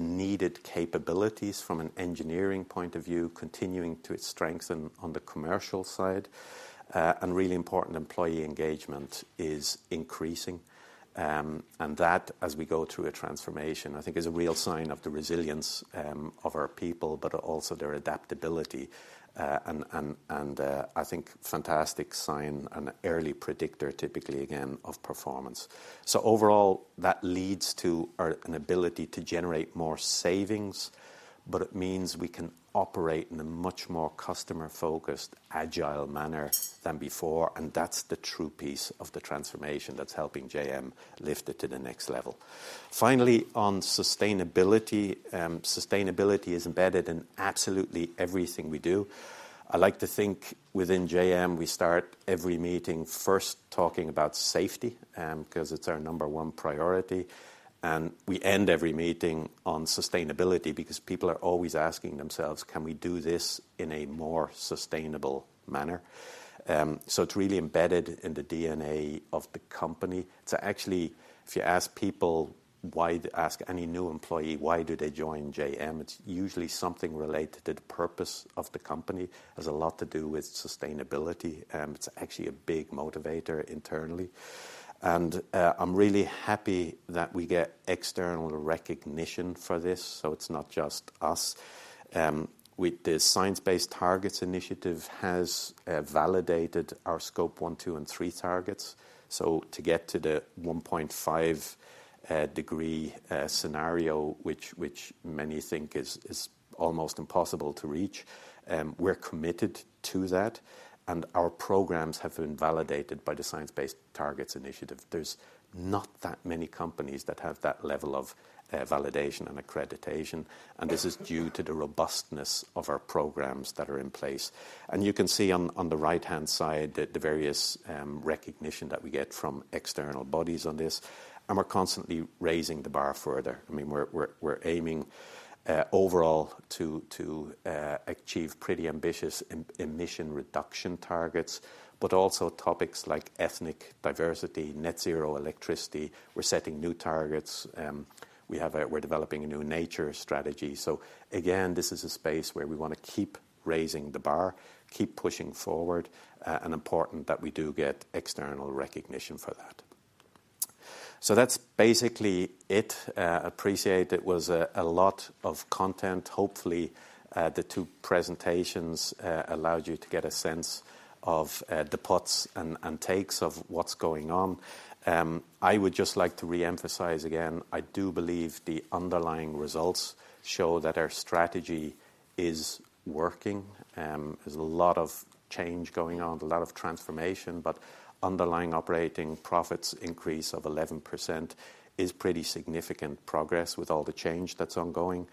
needed capabilities from an engineering point of view, continuing to its strength and on the commercial side. And really important, employee engagement is increasing. And that, as we go through a transformation, I think is a real sign of the resilience of our people, but also their adaptability. And I think fantastic sign and early predictor, typically, again, of performance. So overall, that leads to our ability to generate more savings, but it means we can operate in a much more customer-focused, agile manner than before, and that's the true piece of the transformation that's helping JM lift it to the next level. Finally, on sustainability. Sustainability is embedded in absolutely everything we do. I like to think within JM, we start every meeting first talking about safety, 'cause it's our number 1 priority, and we end every meeting on sustainability because people are always asking themselves: Can we do this in a more sustainable manner? So it's really embedded in the DNA of the company. So actually, if you ask people why--ask any new employee, why do they join JM, it's usually something related to the purpose of the company. Has a lot to do with sustainability, it's actually a big motivator internally. And, I'm really happy that we get external recognition for this, so it's not just us. With the Science Based Targets initiative has validated our Scope 1, 2, and 3 targets. So to get to the 1.5-degree scenario, which many think is almost impossible to reach, we're committed to that, and our programs have been validated by the Science Based Targets initiative. There's not that many companies that have that level of validation and accreditation, and this is due to the robustness of our programs that are in place. And you can see on the right-hand side, the various recognition that we get from external bodies on this, and we're constantly raising the bar further. I mean, we're aiming overall to achieve pretty ambitious emission reduction targets, but also topics like ethnic diversity, net zero electricity. We're setting new targets. We're developing a new nature strategy. So again, this is a space where we want to keep raising the bar, keep pushing forward, and important that we do get external recognition for that. So that's basically it. Appreciate it was a lot of content. Hopefully, the two presentations allowed you to get a sense of the puts and takes of what's going on. I would just like to re-emphasize again, I do believe the underlying results show that our strategy is working. There's a lot of change going on, a lot of transformation, but underlying operating profits increase of 11% is pretty significant progress with all the change that's ongoing.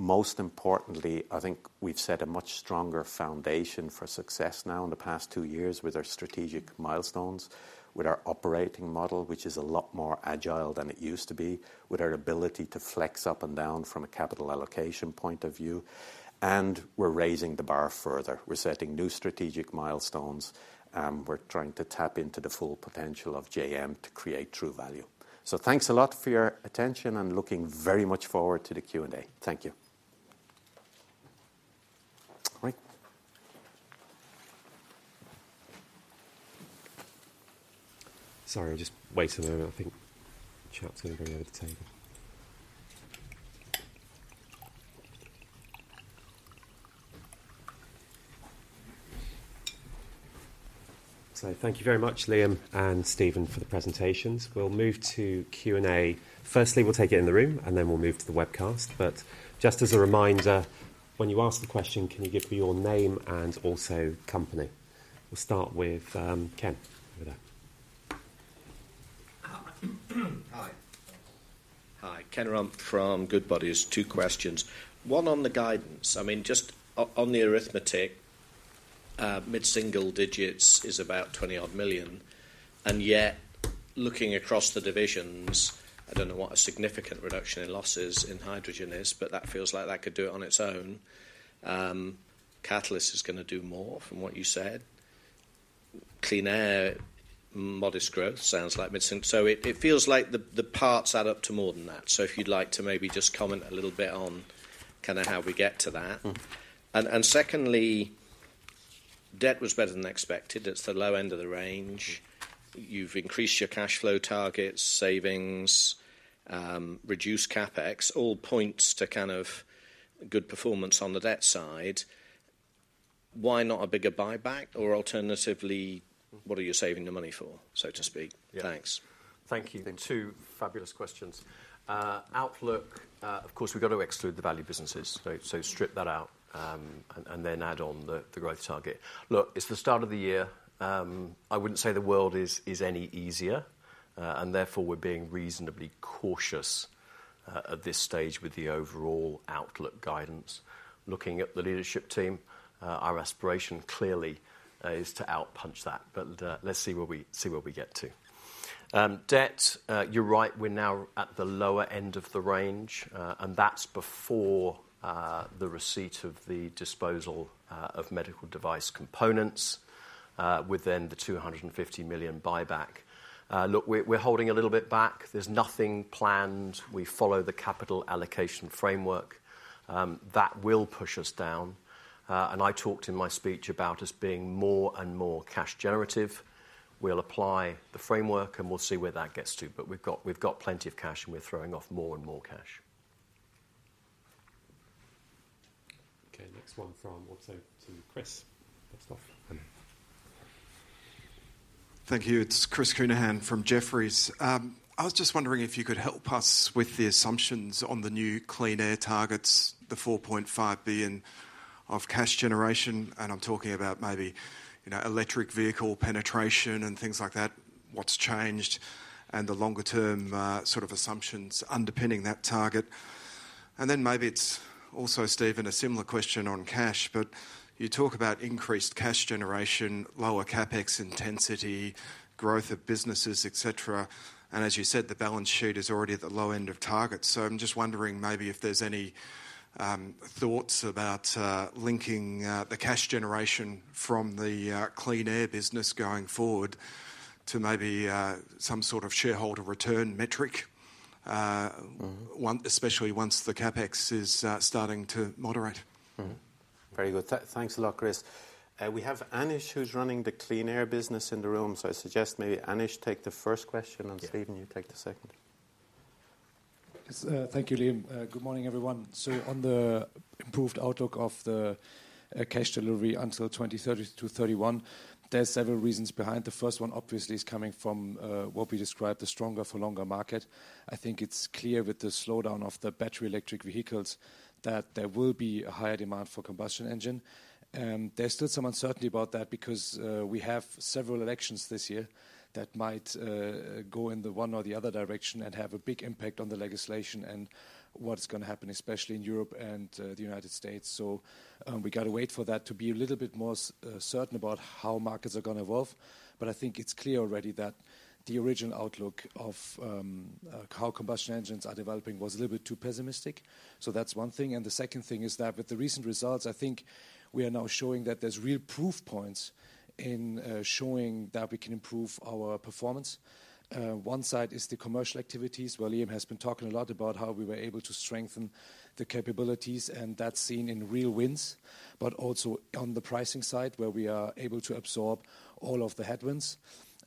Most importantly, I think we've set a much stronger foundation for success now in the past two years with our strategic milestones, with our operating model, which is a lot more agile than it used to be, with our ability to flex up and down from a capital allocation point of view, and we're raising the bar further. We're setting new strategic milestones, and we're trying to tap into the full potential of JM to create true value. So thanks a lot for your attention, I'm looking very much forward to the Q&A. Thank you. Martin? Sorry, I'm just waiting a minute. I think Chuck's going to bring over the cable. So thank you very much, Liam and Stephen, for the presentations. We'll move to Q&A. Firstly, we'll take it in the room, and then we'll move to the webcast. But just as a reminder, when you ask the question, can you give me your name and also company? We'll start with Ken, over there. Hi. Hi, Ken Rumph from Goodbody. Two questions. One on the guidance. I mean, just on the arithmetic, mid-single digits is about 20-odd million, and yet looking across the divisions, I don't know what a significant reduction in losses in hydrogen is, but that feels like that could do it on its own. Catalyst is gonna do more from what you said. Clean Air, modest growth sounds like mid-single. So it feels like the parts add up to more than that. So if you'd like to maybe just comment a little bit on kind of how we get to that. Secondly, debt was better than expected. It's the low end of the range. You've increased your cash flow targets, savings, reduced CapEx, all points to kind of good performance on the debt side. Why not a bigger buyback? Or alternatively, what are you saving the money for, so to speak? Yeah. Thanks. Thank you. Two fabulous questions. Outlook, of course, we've got to exclude Value Businesses. so strip that out, and then add on the growth target. Look, it's the start of the year. I wouldn't say the world is any easier, and therefore, we're being reasonably cautious at this stage with the overall outlook guidance. Looking at the leadership team, our aspiration clearly is to outpunch that, but let's see where we get to. Debt, you're right, we're now at the lower end of the range, and that's before the receipt of the disposal of Medical Device Components within the 250 million buyback. Look, we're holding a little bit back. There's nothing planned. We follow the capital allocation framework that will push us down. And I talked in my speech about us being more and more cash generative. We'll apply the framework, and we'll see where that gets to. But we've got, we've got plenty of cash, and we're throwing off more and more cash. Okay, next one from Alastair to Chris. Thank you. It's Chris Counihan from Jefferies. I was just wondering if you could help us with the assumptions on the new Clean Air targets, the 4.5 billion of cash generation, and I'm talking about maybe, you know, electric vehicle penetration and things like that. What's changed, and the longer-term, sort of assumptions underpinning that target? And then maybe it's also, Stephen, a similar question on cash, but you talk about increased cash generation, lower CapEx intensity, growth of businesses, et cetera, and as you said, the balance sheet is already at the low end of target. So I'm just wondering maybe if there's any, thoughts about, linking, the cash generation from the, Clean Air business going forward to maybe, some sort of shareholder return metric one, especially once the CapEx is starting to moderate. Very good. Thanks a lot, Chris. We have Anish, who's running the Clean Air business in the room, so I suggest maybe Anish take the first question, and- Yeah Stephen, you take the second. Yes, thank you, Liam. Good morning, everyone. So on the improved outlook of the cash delivery until 2030 to 2031, there are several reasons behind. The first one, obviously, is coming from what we described, the stronger for longer market. I think it's clear with the slowdown of the battery electric vehicles, that there will be a higher demand for combustion engine. There's still some uncertainty about that because we have several elections this year that might go in the one or the other direction and have a big impact on the legislation and what's going to happen, especially in Europe and the United States. So, we got to wait for that to be a little bit more certain about how markets are going to evolve. But I think it's clear already that the original outlook of how combustion engines are developing was a little bit too pessimistic. So that's one thing, and the second thing is that with the recent results, I think we are now showing that there's real proof points in showing that we can improve our performance. One side is the commercial activities, where Liam has been talking a lot about how we were able to strengthen the capabilities, and that's seen in real wins, but also on the pricing side, where we are able to absorb all of the headwinds.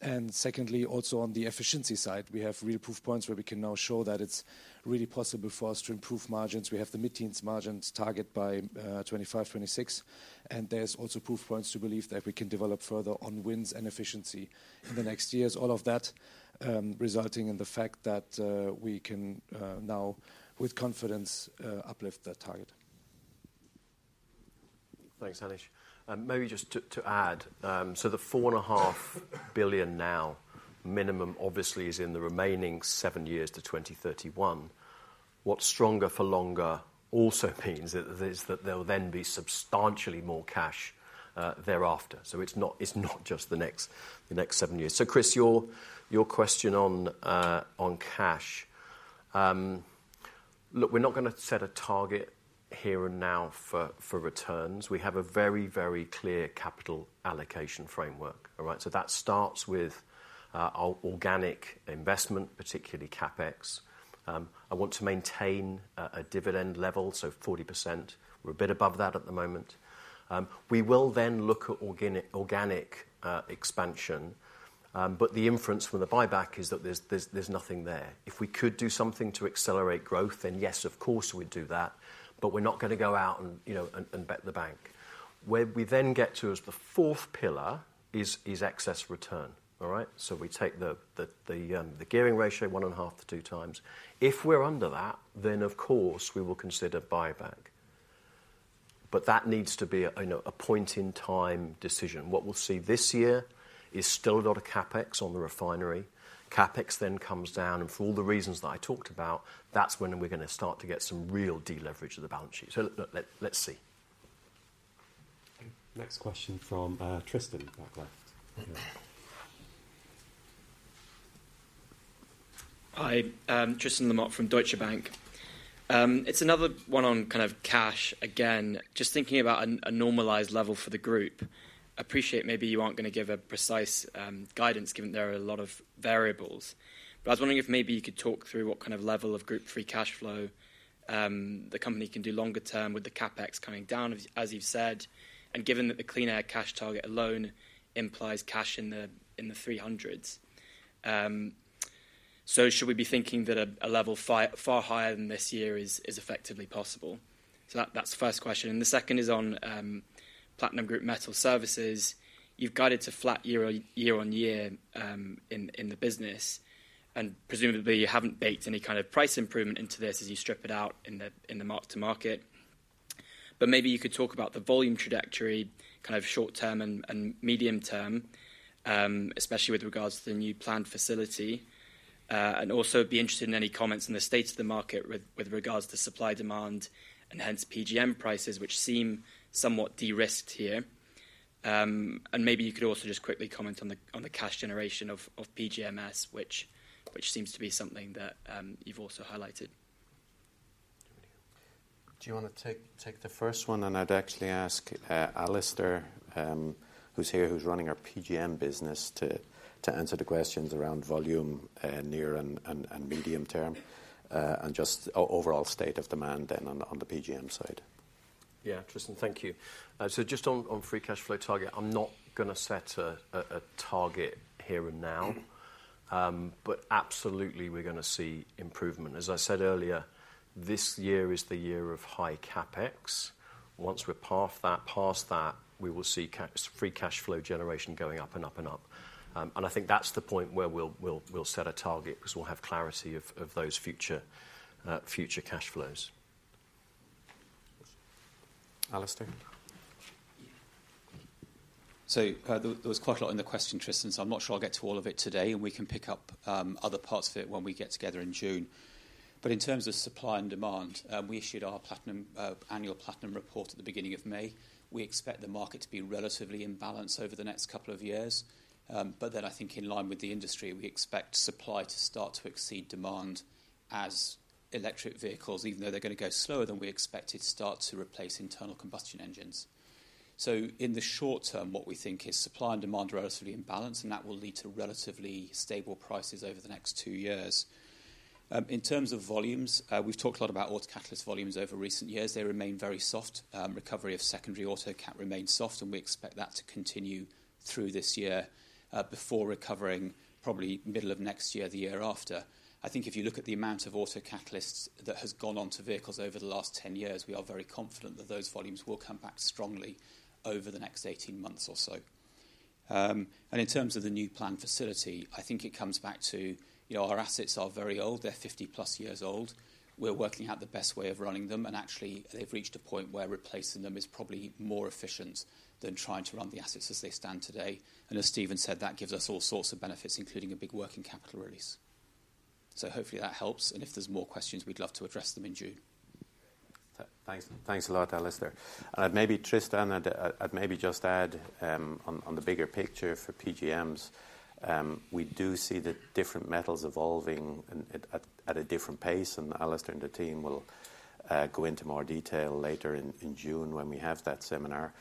And secondly, also on the efficiency side, we have real proof points where we can now show that it's really possible for us to improve margins. We have the mid-teens margins target by 2025, 2026, and there's also proof points to believe that we can develop further on wins and efficiency in the next years. All of that resulting in the fact that we can now, with confidence, uplift that target. Thanks, Anish. And maybe just to add, so 4.5 billion now, minimum, obviously, is in the remaining seven years to 2031. What stronger for longer also means is that there will then be substantially more cash thereafter. So it's not just the next seven years. So, Chris, your question on cash. Look, we're not gonna set a target here and now for returns. We have a very, very clear capital allocation framework. All right? So that starts with our organic investment, particularly CapEx. I want to maintain a dividend level, so 40%. We're a bit above that at the moment. We will then look at organic expansion, but the inference from the buyback is that there's nothing there. If we could do something to accelerate growth, then yes, of course, we'd do that, but we're not gonna go out and, you know, bet the bank. Where we then get to is the fourth pillar, excess return. All right? So we take the gearing ratio 1.5-2 times. If we're under that, then, of course, we will consider buyback. But that needs to be a, you know, point in time decision. What we'll see this year is still a lot of CapEx on the refinery. CapEx then comes down, and for all the reasons that I talked about, that's when we're gonna start to get some real deleverage of the balance sheet. So let's see. Next question from Tristan, back left. Hi, Tristan Lamotte from Deutsche Bank. It's another one on kind of cash again, just thinking about a normalized level for the group. Appreciate maybe you aren't gonna give a precise guidance, given there are a lot of variables. But I was wondering if maybe you could talk through what kind of level of group free cash flow the company can do longer term with the CapEx coming down, as you've said, and given that the Clean Air cash target alone implies cash in the 300s. So should we be thinking that a level far higher than this year is effectively possible? So that's the first question, and the second is on Platinum Group Metals Services. You've guided to flat year on year in the business, and presumably, you haven't baked any kind of price improvement into this as you strip it out in the mark to market. But maybe you could talk about the volume trajectory, kind of short term and medium term, especially with regards to the new planned facility. And also, I'd be interested in any comments on the state of the market with regards to supply, demand, and hence PGM prices, which seem somewhat de-risked here. And maybe you could also just quickly comment on the cash generation of PGMS, which seems to be something that you've also highlighted. Do you wanna take the first one? And I'd actually ask, Alastair, who's here, who's running our PGM business, to answer the questions around volume, near and medium term. And just overall state of demand then on the PGM side. Yeah, Tristan, thank you. So just on free cash flow target, I'm not gonna set a target here and now. But absolutely, we're gonna see improvement. As I said earlier, this year is the year of high CapEx. Once we're past that, we will see free cash flow generation going up and up and up. And I think that's the point where we'll set a target 'cause we'll have clarity of those future cash flows. Alastair? So, there was quite a lot in the question, Tristan, so I'm not sure I'll get to all of it today, and we can pick up other parts of it when we get together in June. But in terms of supply and demand, we issued our platinum Annual Platinum Report at the beginning of May. We expect the market to be relatively in balance over the next couple of years. But then I think in line with the industry, we expect supply to start to exceed demand as electric vehicles, even though they're gonna go slower than we expected, start to replace internal combustion engines. So in the short term, what we think is supply and demand are relatively in balance, and that will lead to relatively stable prices over the next two years. In terms of volumes, we've talked a lot about autocatalyst volumes over recent years. They remain very soft. Recovery of secondary autocat remains soft, and we expect that to continue through this year, before recovering probably middle of next year, the year after. I think if you look at the amount of autocatalysts that has gone on to vehicles over the last 10 years, we are very confident that those volumes will come back strongly over the next 18 months or so. And in terms of the new planned facility, I think it comes back to, you know, our assets are very old. They're 50-plus years old. We're working out the best way of running them, and actually, they've reached a point where replacing them is probably more efficient than trying to run the assets as they stand today. And as Stephen said, that gives us all sorts of benefits, including a big working capital release. So hopefully that helps, and if there's more questions, we'd love to address them in June. Thanks, thanks a lot, Alastair. And maybe Tristan, I'd maybe just add, on the bigger picture for PGMs, we do see the different metals evolving at a different pace, and Alastair and the team will go into more detail later in June when we have that seminar.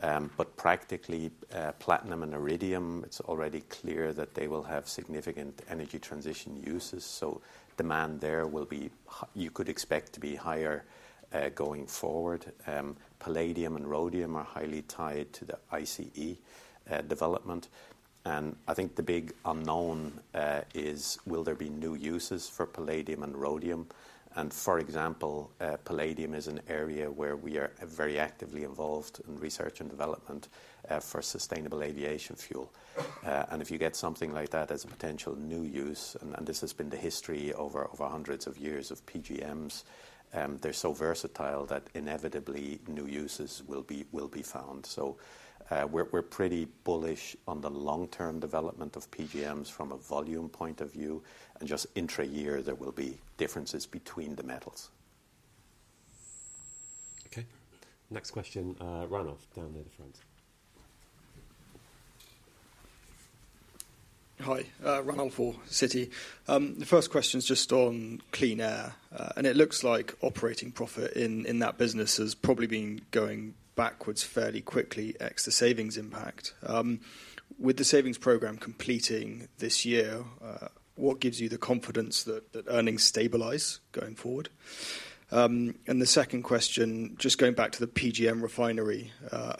But practically, platinum and iridium, it's already clear that they will have significant energy transition uses, so demand there will be higher. You could expect to be higher going forward. Palladium and rhodium are highly tied to the ICE development, and I think the big unknown is will there be new uses for palladium and rhodium? And, for example, palladium is an area where we are very actively involved in research and development for sustainable aviation fuel. If you get something like that as a potential new use, and this has been the history over hundreds of years of PGMs, they're so versatile that inevitably new uses will be found. We're pretty bullish on the long-term development of PGMs from a volume point of view, and just intra-year, there will be differences between the metals. Okay. Next question, Ranulf, down near the front. Hi, Ranulf for Citi. The first question's just on Clean Air, and it looks like operating profit in that business has probably been going backwards fairly quickly ex the savings impact. With the savings program completing this year, what gives you the confidence that earnings stabilize going forward? And the second question, just going back to the PGM refinery,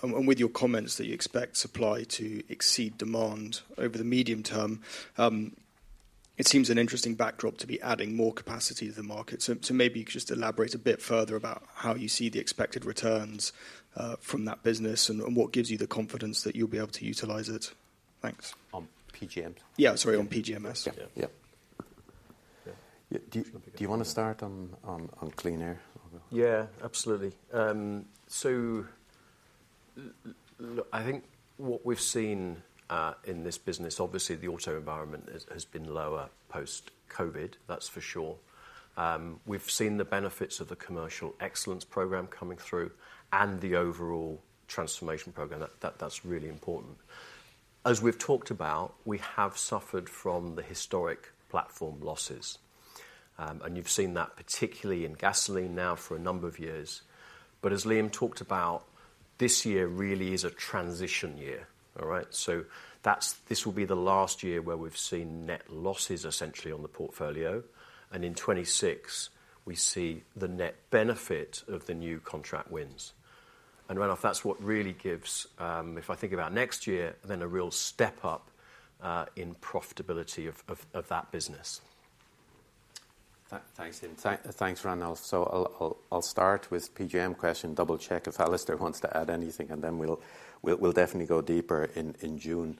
and with your comments that you expect supply to exceed demand over the medium term, it seems an interesting backdrop to be adding more capacity to the market. So maybe you could just elaborate a bit further about how you see the expected returns from that business and what gives you the confidence that you'll be able to utilize it? Thanks. On PGMs? Yeah, sorry, on PGMs. Yeah. Yeah. Do you wanna start on Clean Air? Yeah, absolutely. So I think what we've seen in this business, obviously, the auto environment has been lower post-COVID. That's for sure. We've seen the benefits of the Commercial Excellence Program coming through and the overall transformation program. That, that's really important. As we've talked about, we have suffered from the historic platform losses, and you've seen that particularly in gasoline now for a number of years. But as Liam talked about, this year really is a transition year, all right? So that's this will be the last year where we've seen net losses essentially on the portfolio, and in 2026, we see the net benefit of the new contract wins. And, Ranulf, that's what really gives, if I think about next year, then a real step up in profitability of that business. Thanks, Liam. Thanks, Ranulf. So I'll start with PGM question, double-check if Alastair wants to add anything, and then we'll definitely go deeper in June.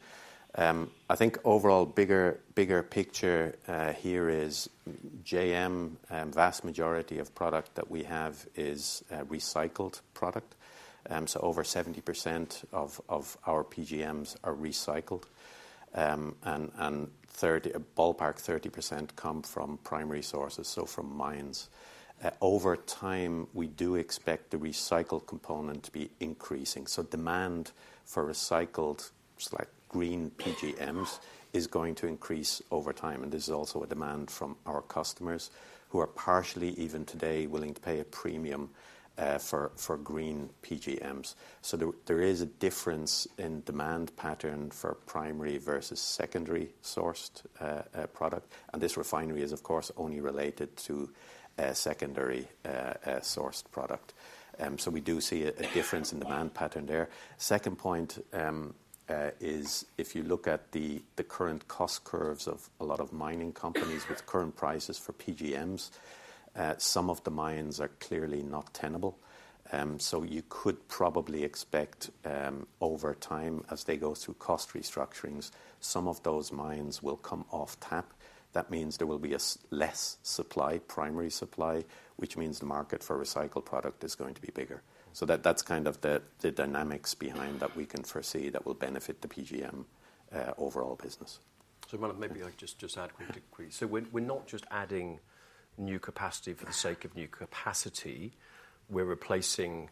I think overall, bigger picture, here is JM, vast majority of product that we have is recycled product. So over 70% of our PGMs are recycled, and a ballpark 30% come from primary sources, so from mines. Over time, we do expect the recycled component to be increasing. So demand for recycled, select green PGMs is going to increase over time, and this is also a demand from our customers, who are partially even today willing to pay a premium for green PGMs. So there is a difference in demand pattern for primary versus secondary sourced product, and this refinery is, of course, only related to a secondary sourced product. So we do see a difference in demand pattern there. Second point is if you look at the current cost curves of a lot of mining companies with current prices for PGMs, some of the mines are clearly not tenable. So you could probably expect, over time, as they go through cost restructurings, some of those mines will come off tap. That means there will be a less supply, primary supply, which means the market for recycled product is going to be bigger. So that's kind of the dynamics behind that we can foresee that will benefit the PGM overall business. So well, maybe I just add quickly. So we're not just adding new capacity for the sake of new capacity. We're replacing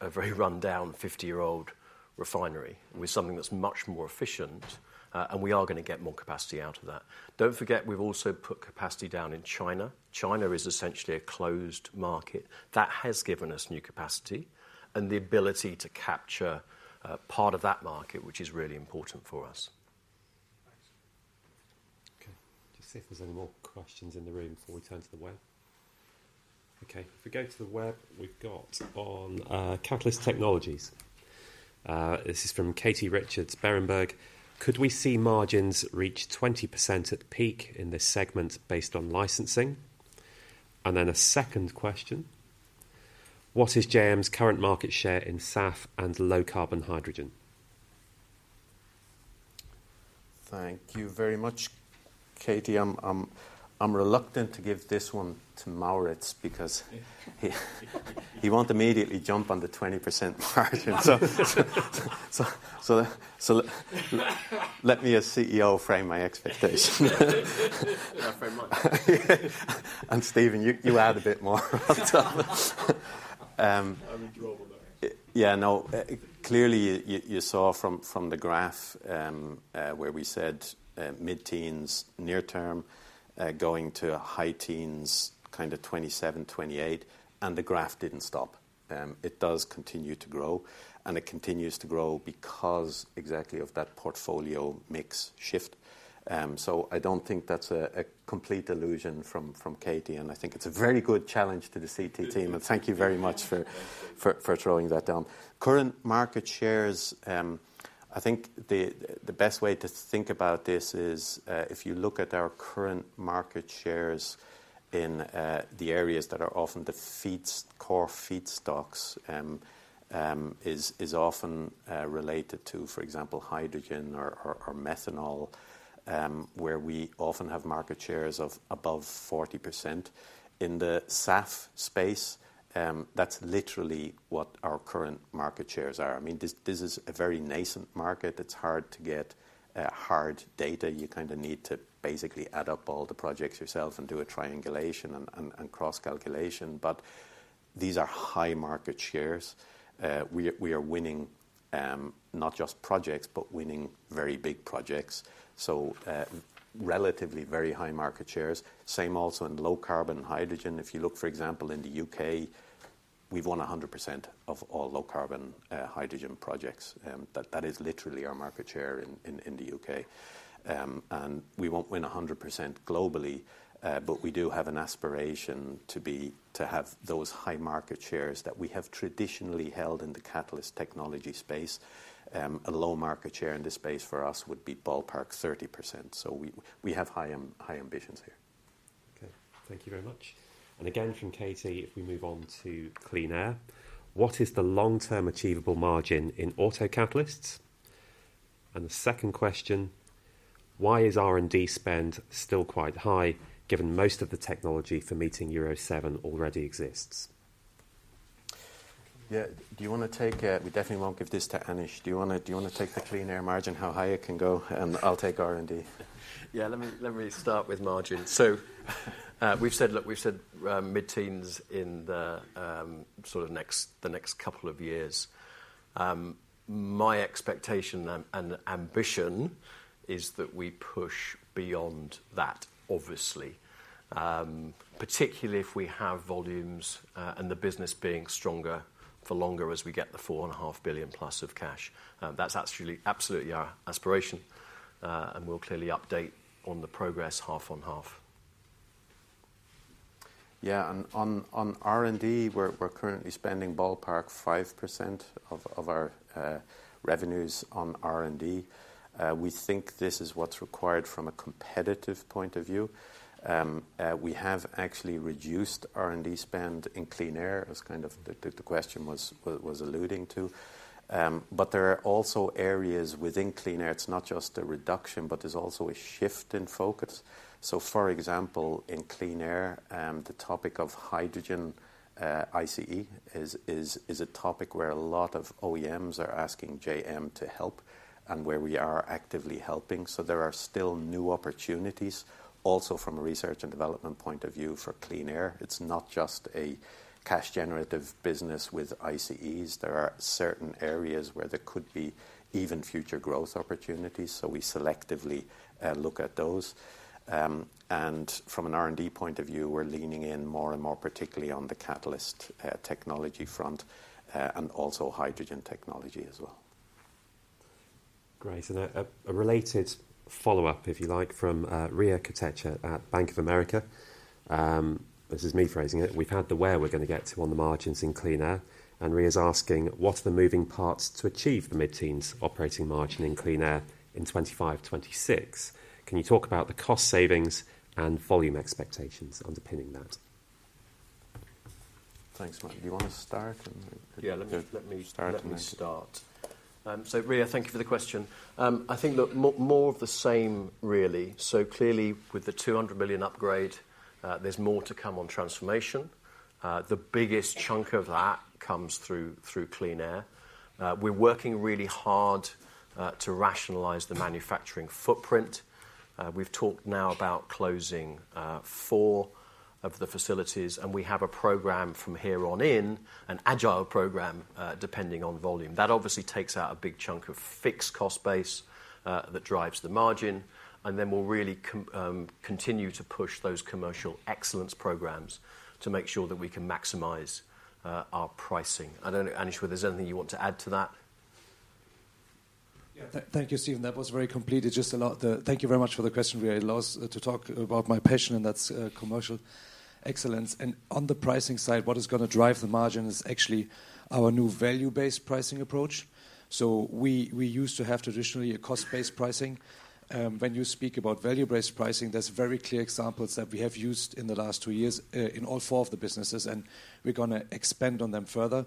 a very run-down, 50-year-old refinery with something that's much more efficient, and we are gonna get more capacity out of that. Don't forget, we've also put capacity down in China. China is essentially a closed market. That has given us new capacity and the ability to capture part of that market, which is really important for us. Thanks. Okay, just see if there's any more questions in the room before we turn to the web. Okay, if we go to the web, we've got on Catalyst Technologies. This is from Katie Richards, Berenberg: "Could we see margins reach 20% at the peak in this segment based on licensing?" And then a second question: "What is JM's current market share in SAF and low-carbon hydrogen? Thank you very much, Katie. I'm reluctant to give this one to Maurits because he won't immediately jump on the 20% margin. So let me as CEO frame my expectation. Yeah, very much. Stephen, you add a bit more on top. I mean, global though. Yeah, no. Clearly, you saw from the graph where we said mid-teens near term, going to high teens, kind of 27, 28, and the graph didn't stop. It does continue to grow, and it continues to grow because exactly of that portfolio mix shift. So I don't think that's a complete illusion from Katie, and I think it's a very good challenge to the CT team, and thank you very much for- Thank you For throwing that down. Current market shares, I think the best way to think about this is, if you look at our current market shares in, the areas that are often the feeds, core feedstocks, is often related to, for example, hydrogen or methanol, where we often have market shares of above 40%. In the SAF space, that's literally what our current market shares are. I mean, this is a very nascent market. It's hard to get hard data. You kind of need to basically add up all the projects yourself and do a triangulation and cross-calculation, but these are high market shares. We are winning, not just projects, but winning very big projects. So, relatively very high market shares. Same also in low-carbon hydrogen. If you look, for example, in the UK, we've won 100% of all low-carbon hydrogen projects. That is literally our market share in the UK. And we won't win 100% globally, but we do have an aspiration to have those high market shares that we have traditionally held in the catalyst technology space. A low market share in this space for us would be ballpark 30%, so we have high ambitions here. Okay. Thank you very much. And again, from Katie, if we move on to Clean Air: "What is the long-term achievable margin in autocatalysts?" And the second question: "Why is R&D spend still quite high, given most of the technology for meeting Euro 7 already exists? Yeah. Do you wanna take, We definitely won't give this to Anish. Do you wanna, do you wanna take the Clean Air margin, how high it can go, and I'll take R&D? Yeah, let me, let me start with margin. So, we've said, look, we've said, mid-teens in the, sort of next, the next couple of years. My expectation and, and ambition is that we push beyond that, obviously, particularly if we have volumes, and the business being stronger for longer as we get the 4.5 billion plus of cash. That's absolutely, absolutely our aspiration, and we'll clearly update on the progress half on half. Yeah, and on R&D, we're currently spending ballpark 5% of our revenues on R&D. We think this is what's required from a competitive point of view. We have actually reduced R&D spend in Clean Air, as kind of the question was alluding to. But there are also areas within Clean Air. It's not just a reduction, but there's also a shift in focus. So, for example, in Clean Air, the topic of hydrogen ICE is a topic where a lot of OEMs are asking JM to help and where we are actively helping. So there are still new opportunities, also from a research and development point of view, for Clean Air. It's not just a cash-generative business with ICE. There are certain areas where there could be even future growth opportunities, so we selectively look at those. And from an R&D point of view, we're leaning in more and more particularly on the catalyst technology front, and also hydrogen technology as well. Great. A related follow-up, if you like, from Ria Kotecha at Bank of America. This is me phrasing it. We've had the where we're gonna get to on the margins in Clean Air, and Ria is asking: What are the moving parts to achieve the mid-teens operating margin in Clean Air in 2025, 2026? Can you talk about the cost savings and volume expectations underpinning that? Thanks, Matt. Do you wanna start and- Yeah, let me Yeah. Let me start. Start. Let me start. So Ria, thank you for the question. I think, look, more, more of the same really. So clearly, with the 200 million upgrade, there's more to come on transformation. The biggest chunk of that comes through Clean Air. We're working really hard to rationalize the manufacturing footprint. We've talked now about closing four of the facilities, and we have a program from here on in, an agile program, depending on volume. That obviously takes out a big chunk of fixed cost base that drives the margin, and then we'll really continue to push those commercial excellence programs to make sure that we can maximize our pricing. I don't know, Anish, if there's anything you want to add to that? Yeah. Thank you, Stephen. That was very complete. It just allowed the... Thank you very much for the question, Ria. I'd love us to talk about my passion, and that's commercial excellence. And on the pricing side, what is gonna drive the margin is actually our new value-based pricing approach. So we used to have traditionally a cost-based pricing. When you speak about value-based pricing, there's very clear examples that we have used in the last two years in all four of the businesses, and we're gonna expand on them further.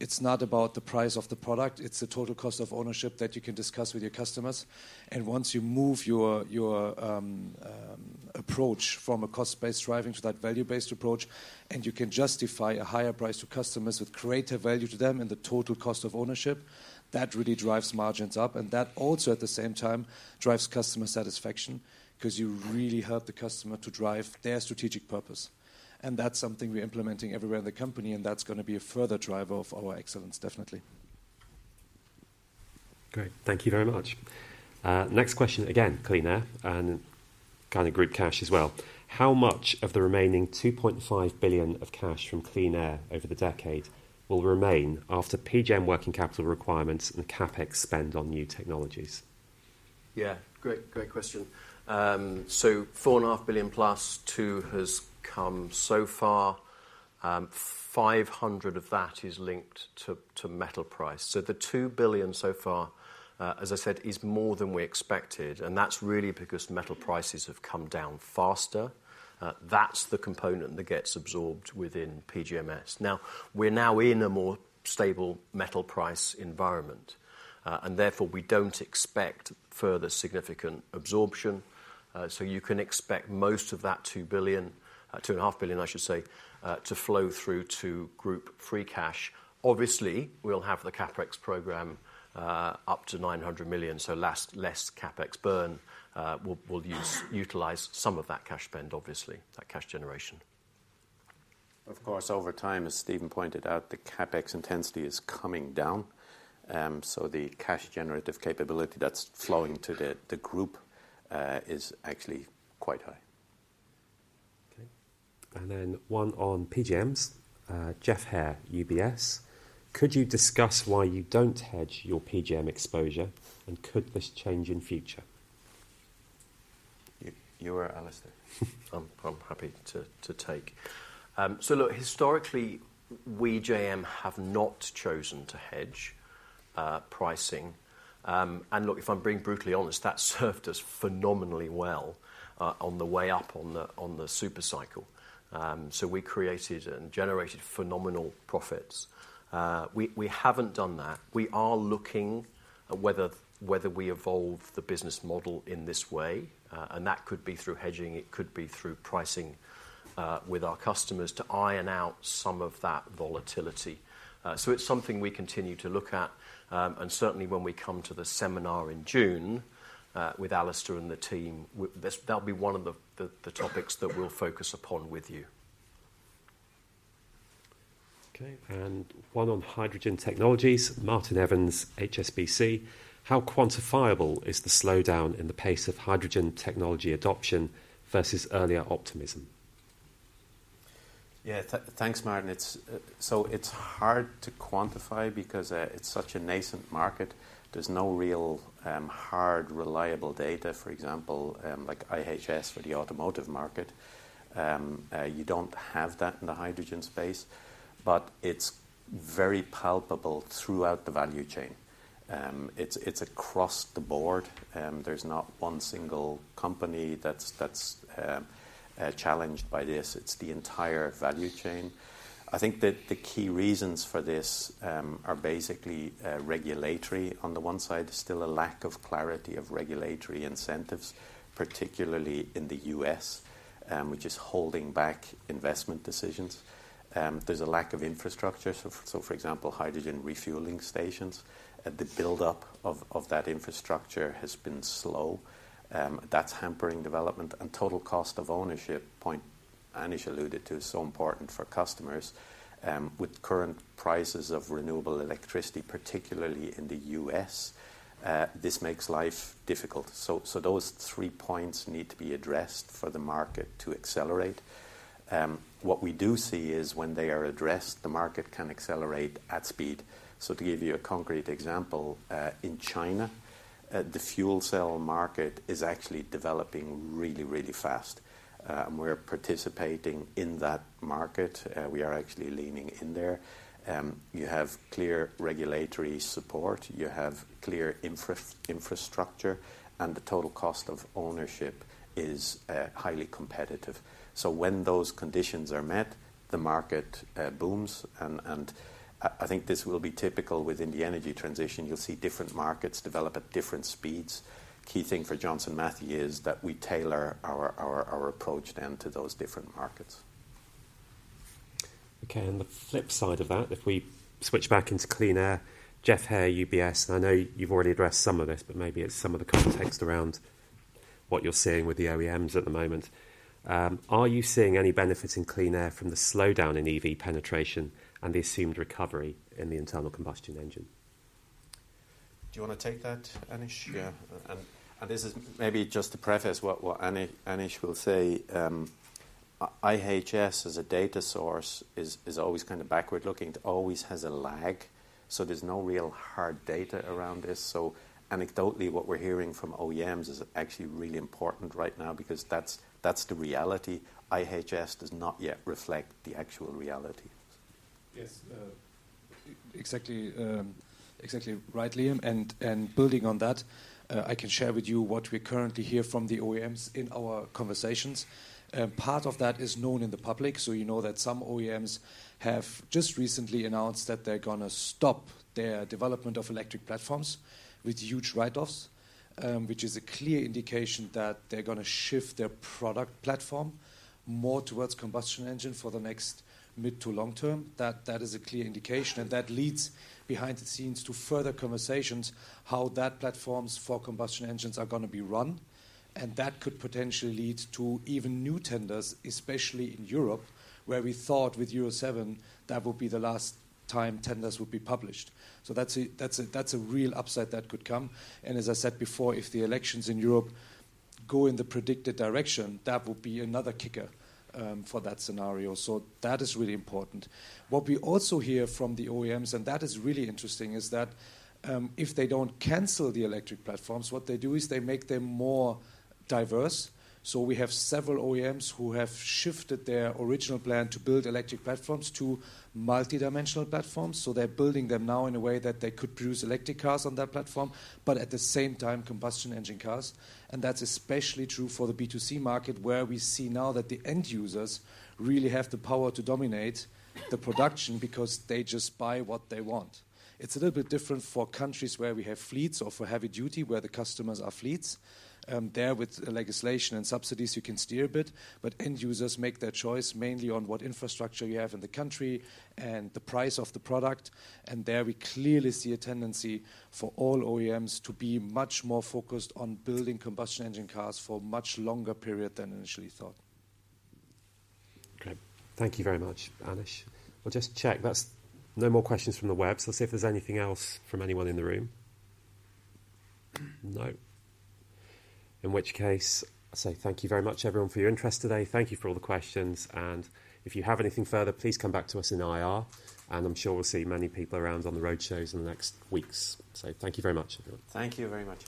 It's not about the price of the product, it's the total cost of ownership that you can discuss with your customers. And once you move your approach from a cost-based driving to that value-based approach, and you can justify a higher price to customers with greater value to them and the total cost of ownership, that really drives margins up, and that also, at the same time, drives customer satisfaction 'cause you really help the customer to drive their strategic purpose. And that's something we're implementing everywhere in the company, and that's gonna be a further driver of our excellence, definitely. Great. Thank you very much. Next question, again, Clean Air, and kind of group cash as well. How much of the remaining 2.5 billion of cash from Clean Air over the decade will remain after PGM working capital requirements and CapEx spend on new technologies? Yeah, great, great question. So 4.5 billion plus 2 billion has come so far. Five hundred of that is linked to metal price. So the 2 billion so far, as I said, is more than we expected, and that's really because metal prices have come down faster. That's the component that gets absorbed within PGMS. Now, we're now in a more stable metal price environment, and therefore, we don't expect further significant absorption. So you can expect most of that 2 billion, two and a half billion, I should say, to flow through to group free cash. Obviously, we'll have the CapEx program, up to 900 million, so less CapEx burn. We'll utilize some of that cash spend, obviously, that cash generation. Of course, over time, as Stephen pointed out, the CapEx intensity is coming down, so the cash generative capability that's flowing to the group is actually quite high. Okay, and then one on PGMs, Geoff Haire, UBS: Could you discuss why you don't hedge your PGM exposure, and could this change in future? You, you or Alastair? I'm happy to take. So look, historically, we, JM, have not chosen to hedge pricing. And look, if I'm being brutally honest, that served us phenomenally well on the way up on the super cycle. So we created and generated phenomenal profits. We haven't done that. We are looking at whether we evolve the business model in this way, and that could be through hedging, it could be through pricing with our customers to iron out some of that volatility. So it's something we continue to look at, and certainly when we come to the seminar in June with Alastair and the team, that'll be one of the topics that we'll focus upon with you. Okay, and one on hydrogen technologies, Martin Evans, HSBC: How quantifiable is the slowdown in the pace of hydrogen technology adoption versus earlier optimism? Yeah, thanks, Martin. It's so it's hard to quantify because it's such a nascent market. There's no real hard, reliable data, for example, like IHS for the automotive market. You don't have that in the hydrogen space, but it's very palpable throughout the value chain. It's across the board, there's not one single company that's challenged by this. It's the entire value chain. I think that the key reasons for this are basically regulatory. On the one side, there's still a lack of clarity of regulatory incentives, particularly in the U.S., which is holding back investment decisions. There's a lack of infrastructure. So, for example, hydrogen refueling stations, the buildup of that infrastructure has been slow, that's hampering development. And total cost of ownership point-... Anish alluded to, so important for customers. With current prices of renewable electricity, particularly in the U.S., this makes life difficult. So those three points need to be addressed for the market to accelerate. What we do see is when they are addressed, the market can accelerate at speed. So to give you a concrete example, in China, the fuel cell market is actually developing really, really fast. And we're participating in that market. We are actually leaning in there. You have clear regulatory support, you have clear infrastructure, and the total cost of ownership is highly competitive. So when those conditions are met, the market booms, and I think this will be typical within the energy transition. You'll see different markets develop at different speeds. Key thing for Johnson Matthey is that we tailor our approach then to those different markets. Okay. On the flip side of that, if we switch back into Clean Air, Geoff Haire, UBS. I know you've already addressed some of this, but maybe it's some of the context around what you're seeing with the OEMs at the moment. Are you seeing any benefits in Clean Air from the slowdown in EV penetration and the assumed recovery in the internal combustion engine? Do you wanna take that, Anish? Sure. Yeah. And this is maybe just to preface what Anish will say. IHS as a data source is always kind of backward-looking. It always has a lag, so there's no real hard data around this. So anecdotally, what we're hearing from OEMs is actually really important right now because that's the reality. IHS does not yet reflect the actual reality. Yes, exactly, exactly right, Liam. And building on that, I can share with you what we currently hear from the OEMs in our conversations. Part of that is known in the public. So you know that some OEMs have just recently announced that they're gonna stop their development of electric platforms with huge write-offs, which is a clear indication that they're gonna shift their product platform more towards combustion engine for the next mid to long term. That is a clear indication, and that leads behind the scenes to further conversations, how that platforms for combustion engines are gonna be run. And that could potentially lead to even new tenders, especially in Europe, where we thought with Euro 7, that would be the last time tenders would be published. So that's a real upside that could come. And as I said before, if the elections in Europe go in the predicted direction, that would be another kicker for that scenario. So that is really important. What we also hear from the OEMs, and that is really interesting, is that, if they don't cancel the electric platforms, what they do is they make them more diverse. So we have several OEMs who have shifted their original plan to build electric platforms to multidimensional platforms. So they're building them now in a way that they could produce electric cars on that platform, but at the same time, combustion engine cars. And that's especially true for the B2C market, where we see now that the end users really have the power to dominate the production because they just buy what they want. It's a little bit different for countries where we have fleets or for heavy duty, where the customers are fleets. There with legislation and subsidies, you can steer a bit, but end users make their choice mainly on what infrastructure you have in the country and the price of the product. And there, we clearly see a tendency for all OEMs to be much more focused on building combustion engine cars for much longer period than initially thought. Okay. Thank you very much, Anish. We'll just check. That's no more questions from the web, so let's see if there's anything else from anyone in the room. No. In which case, I say thank you very much, everyone, for your interest today. Thank you for all the questions, and if you have anything further, please come back to us in IR, and I'm sure we'll see many people around on the road shows in the next weeks. So thank you very much, everyone. Thank you very much.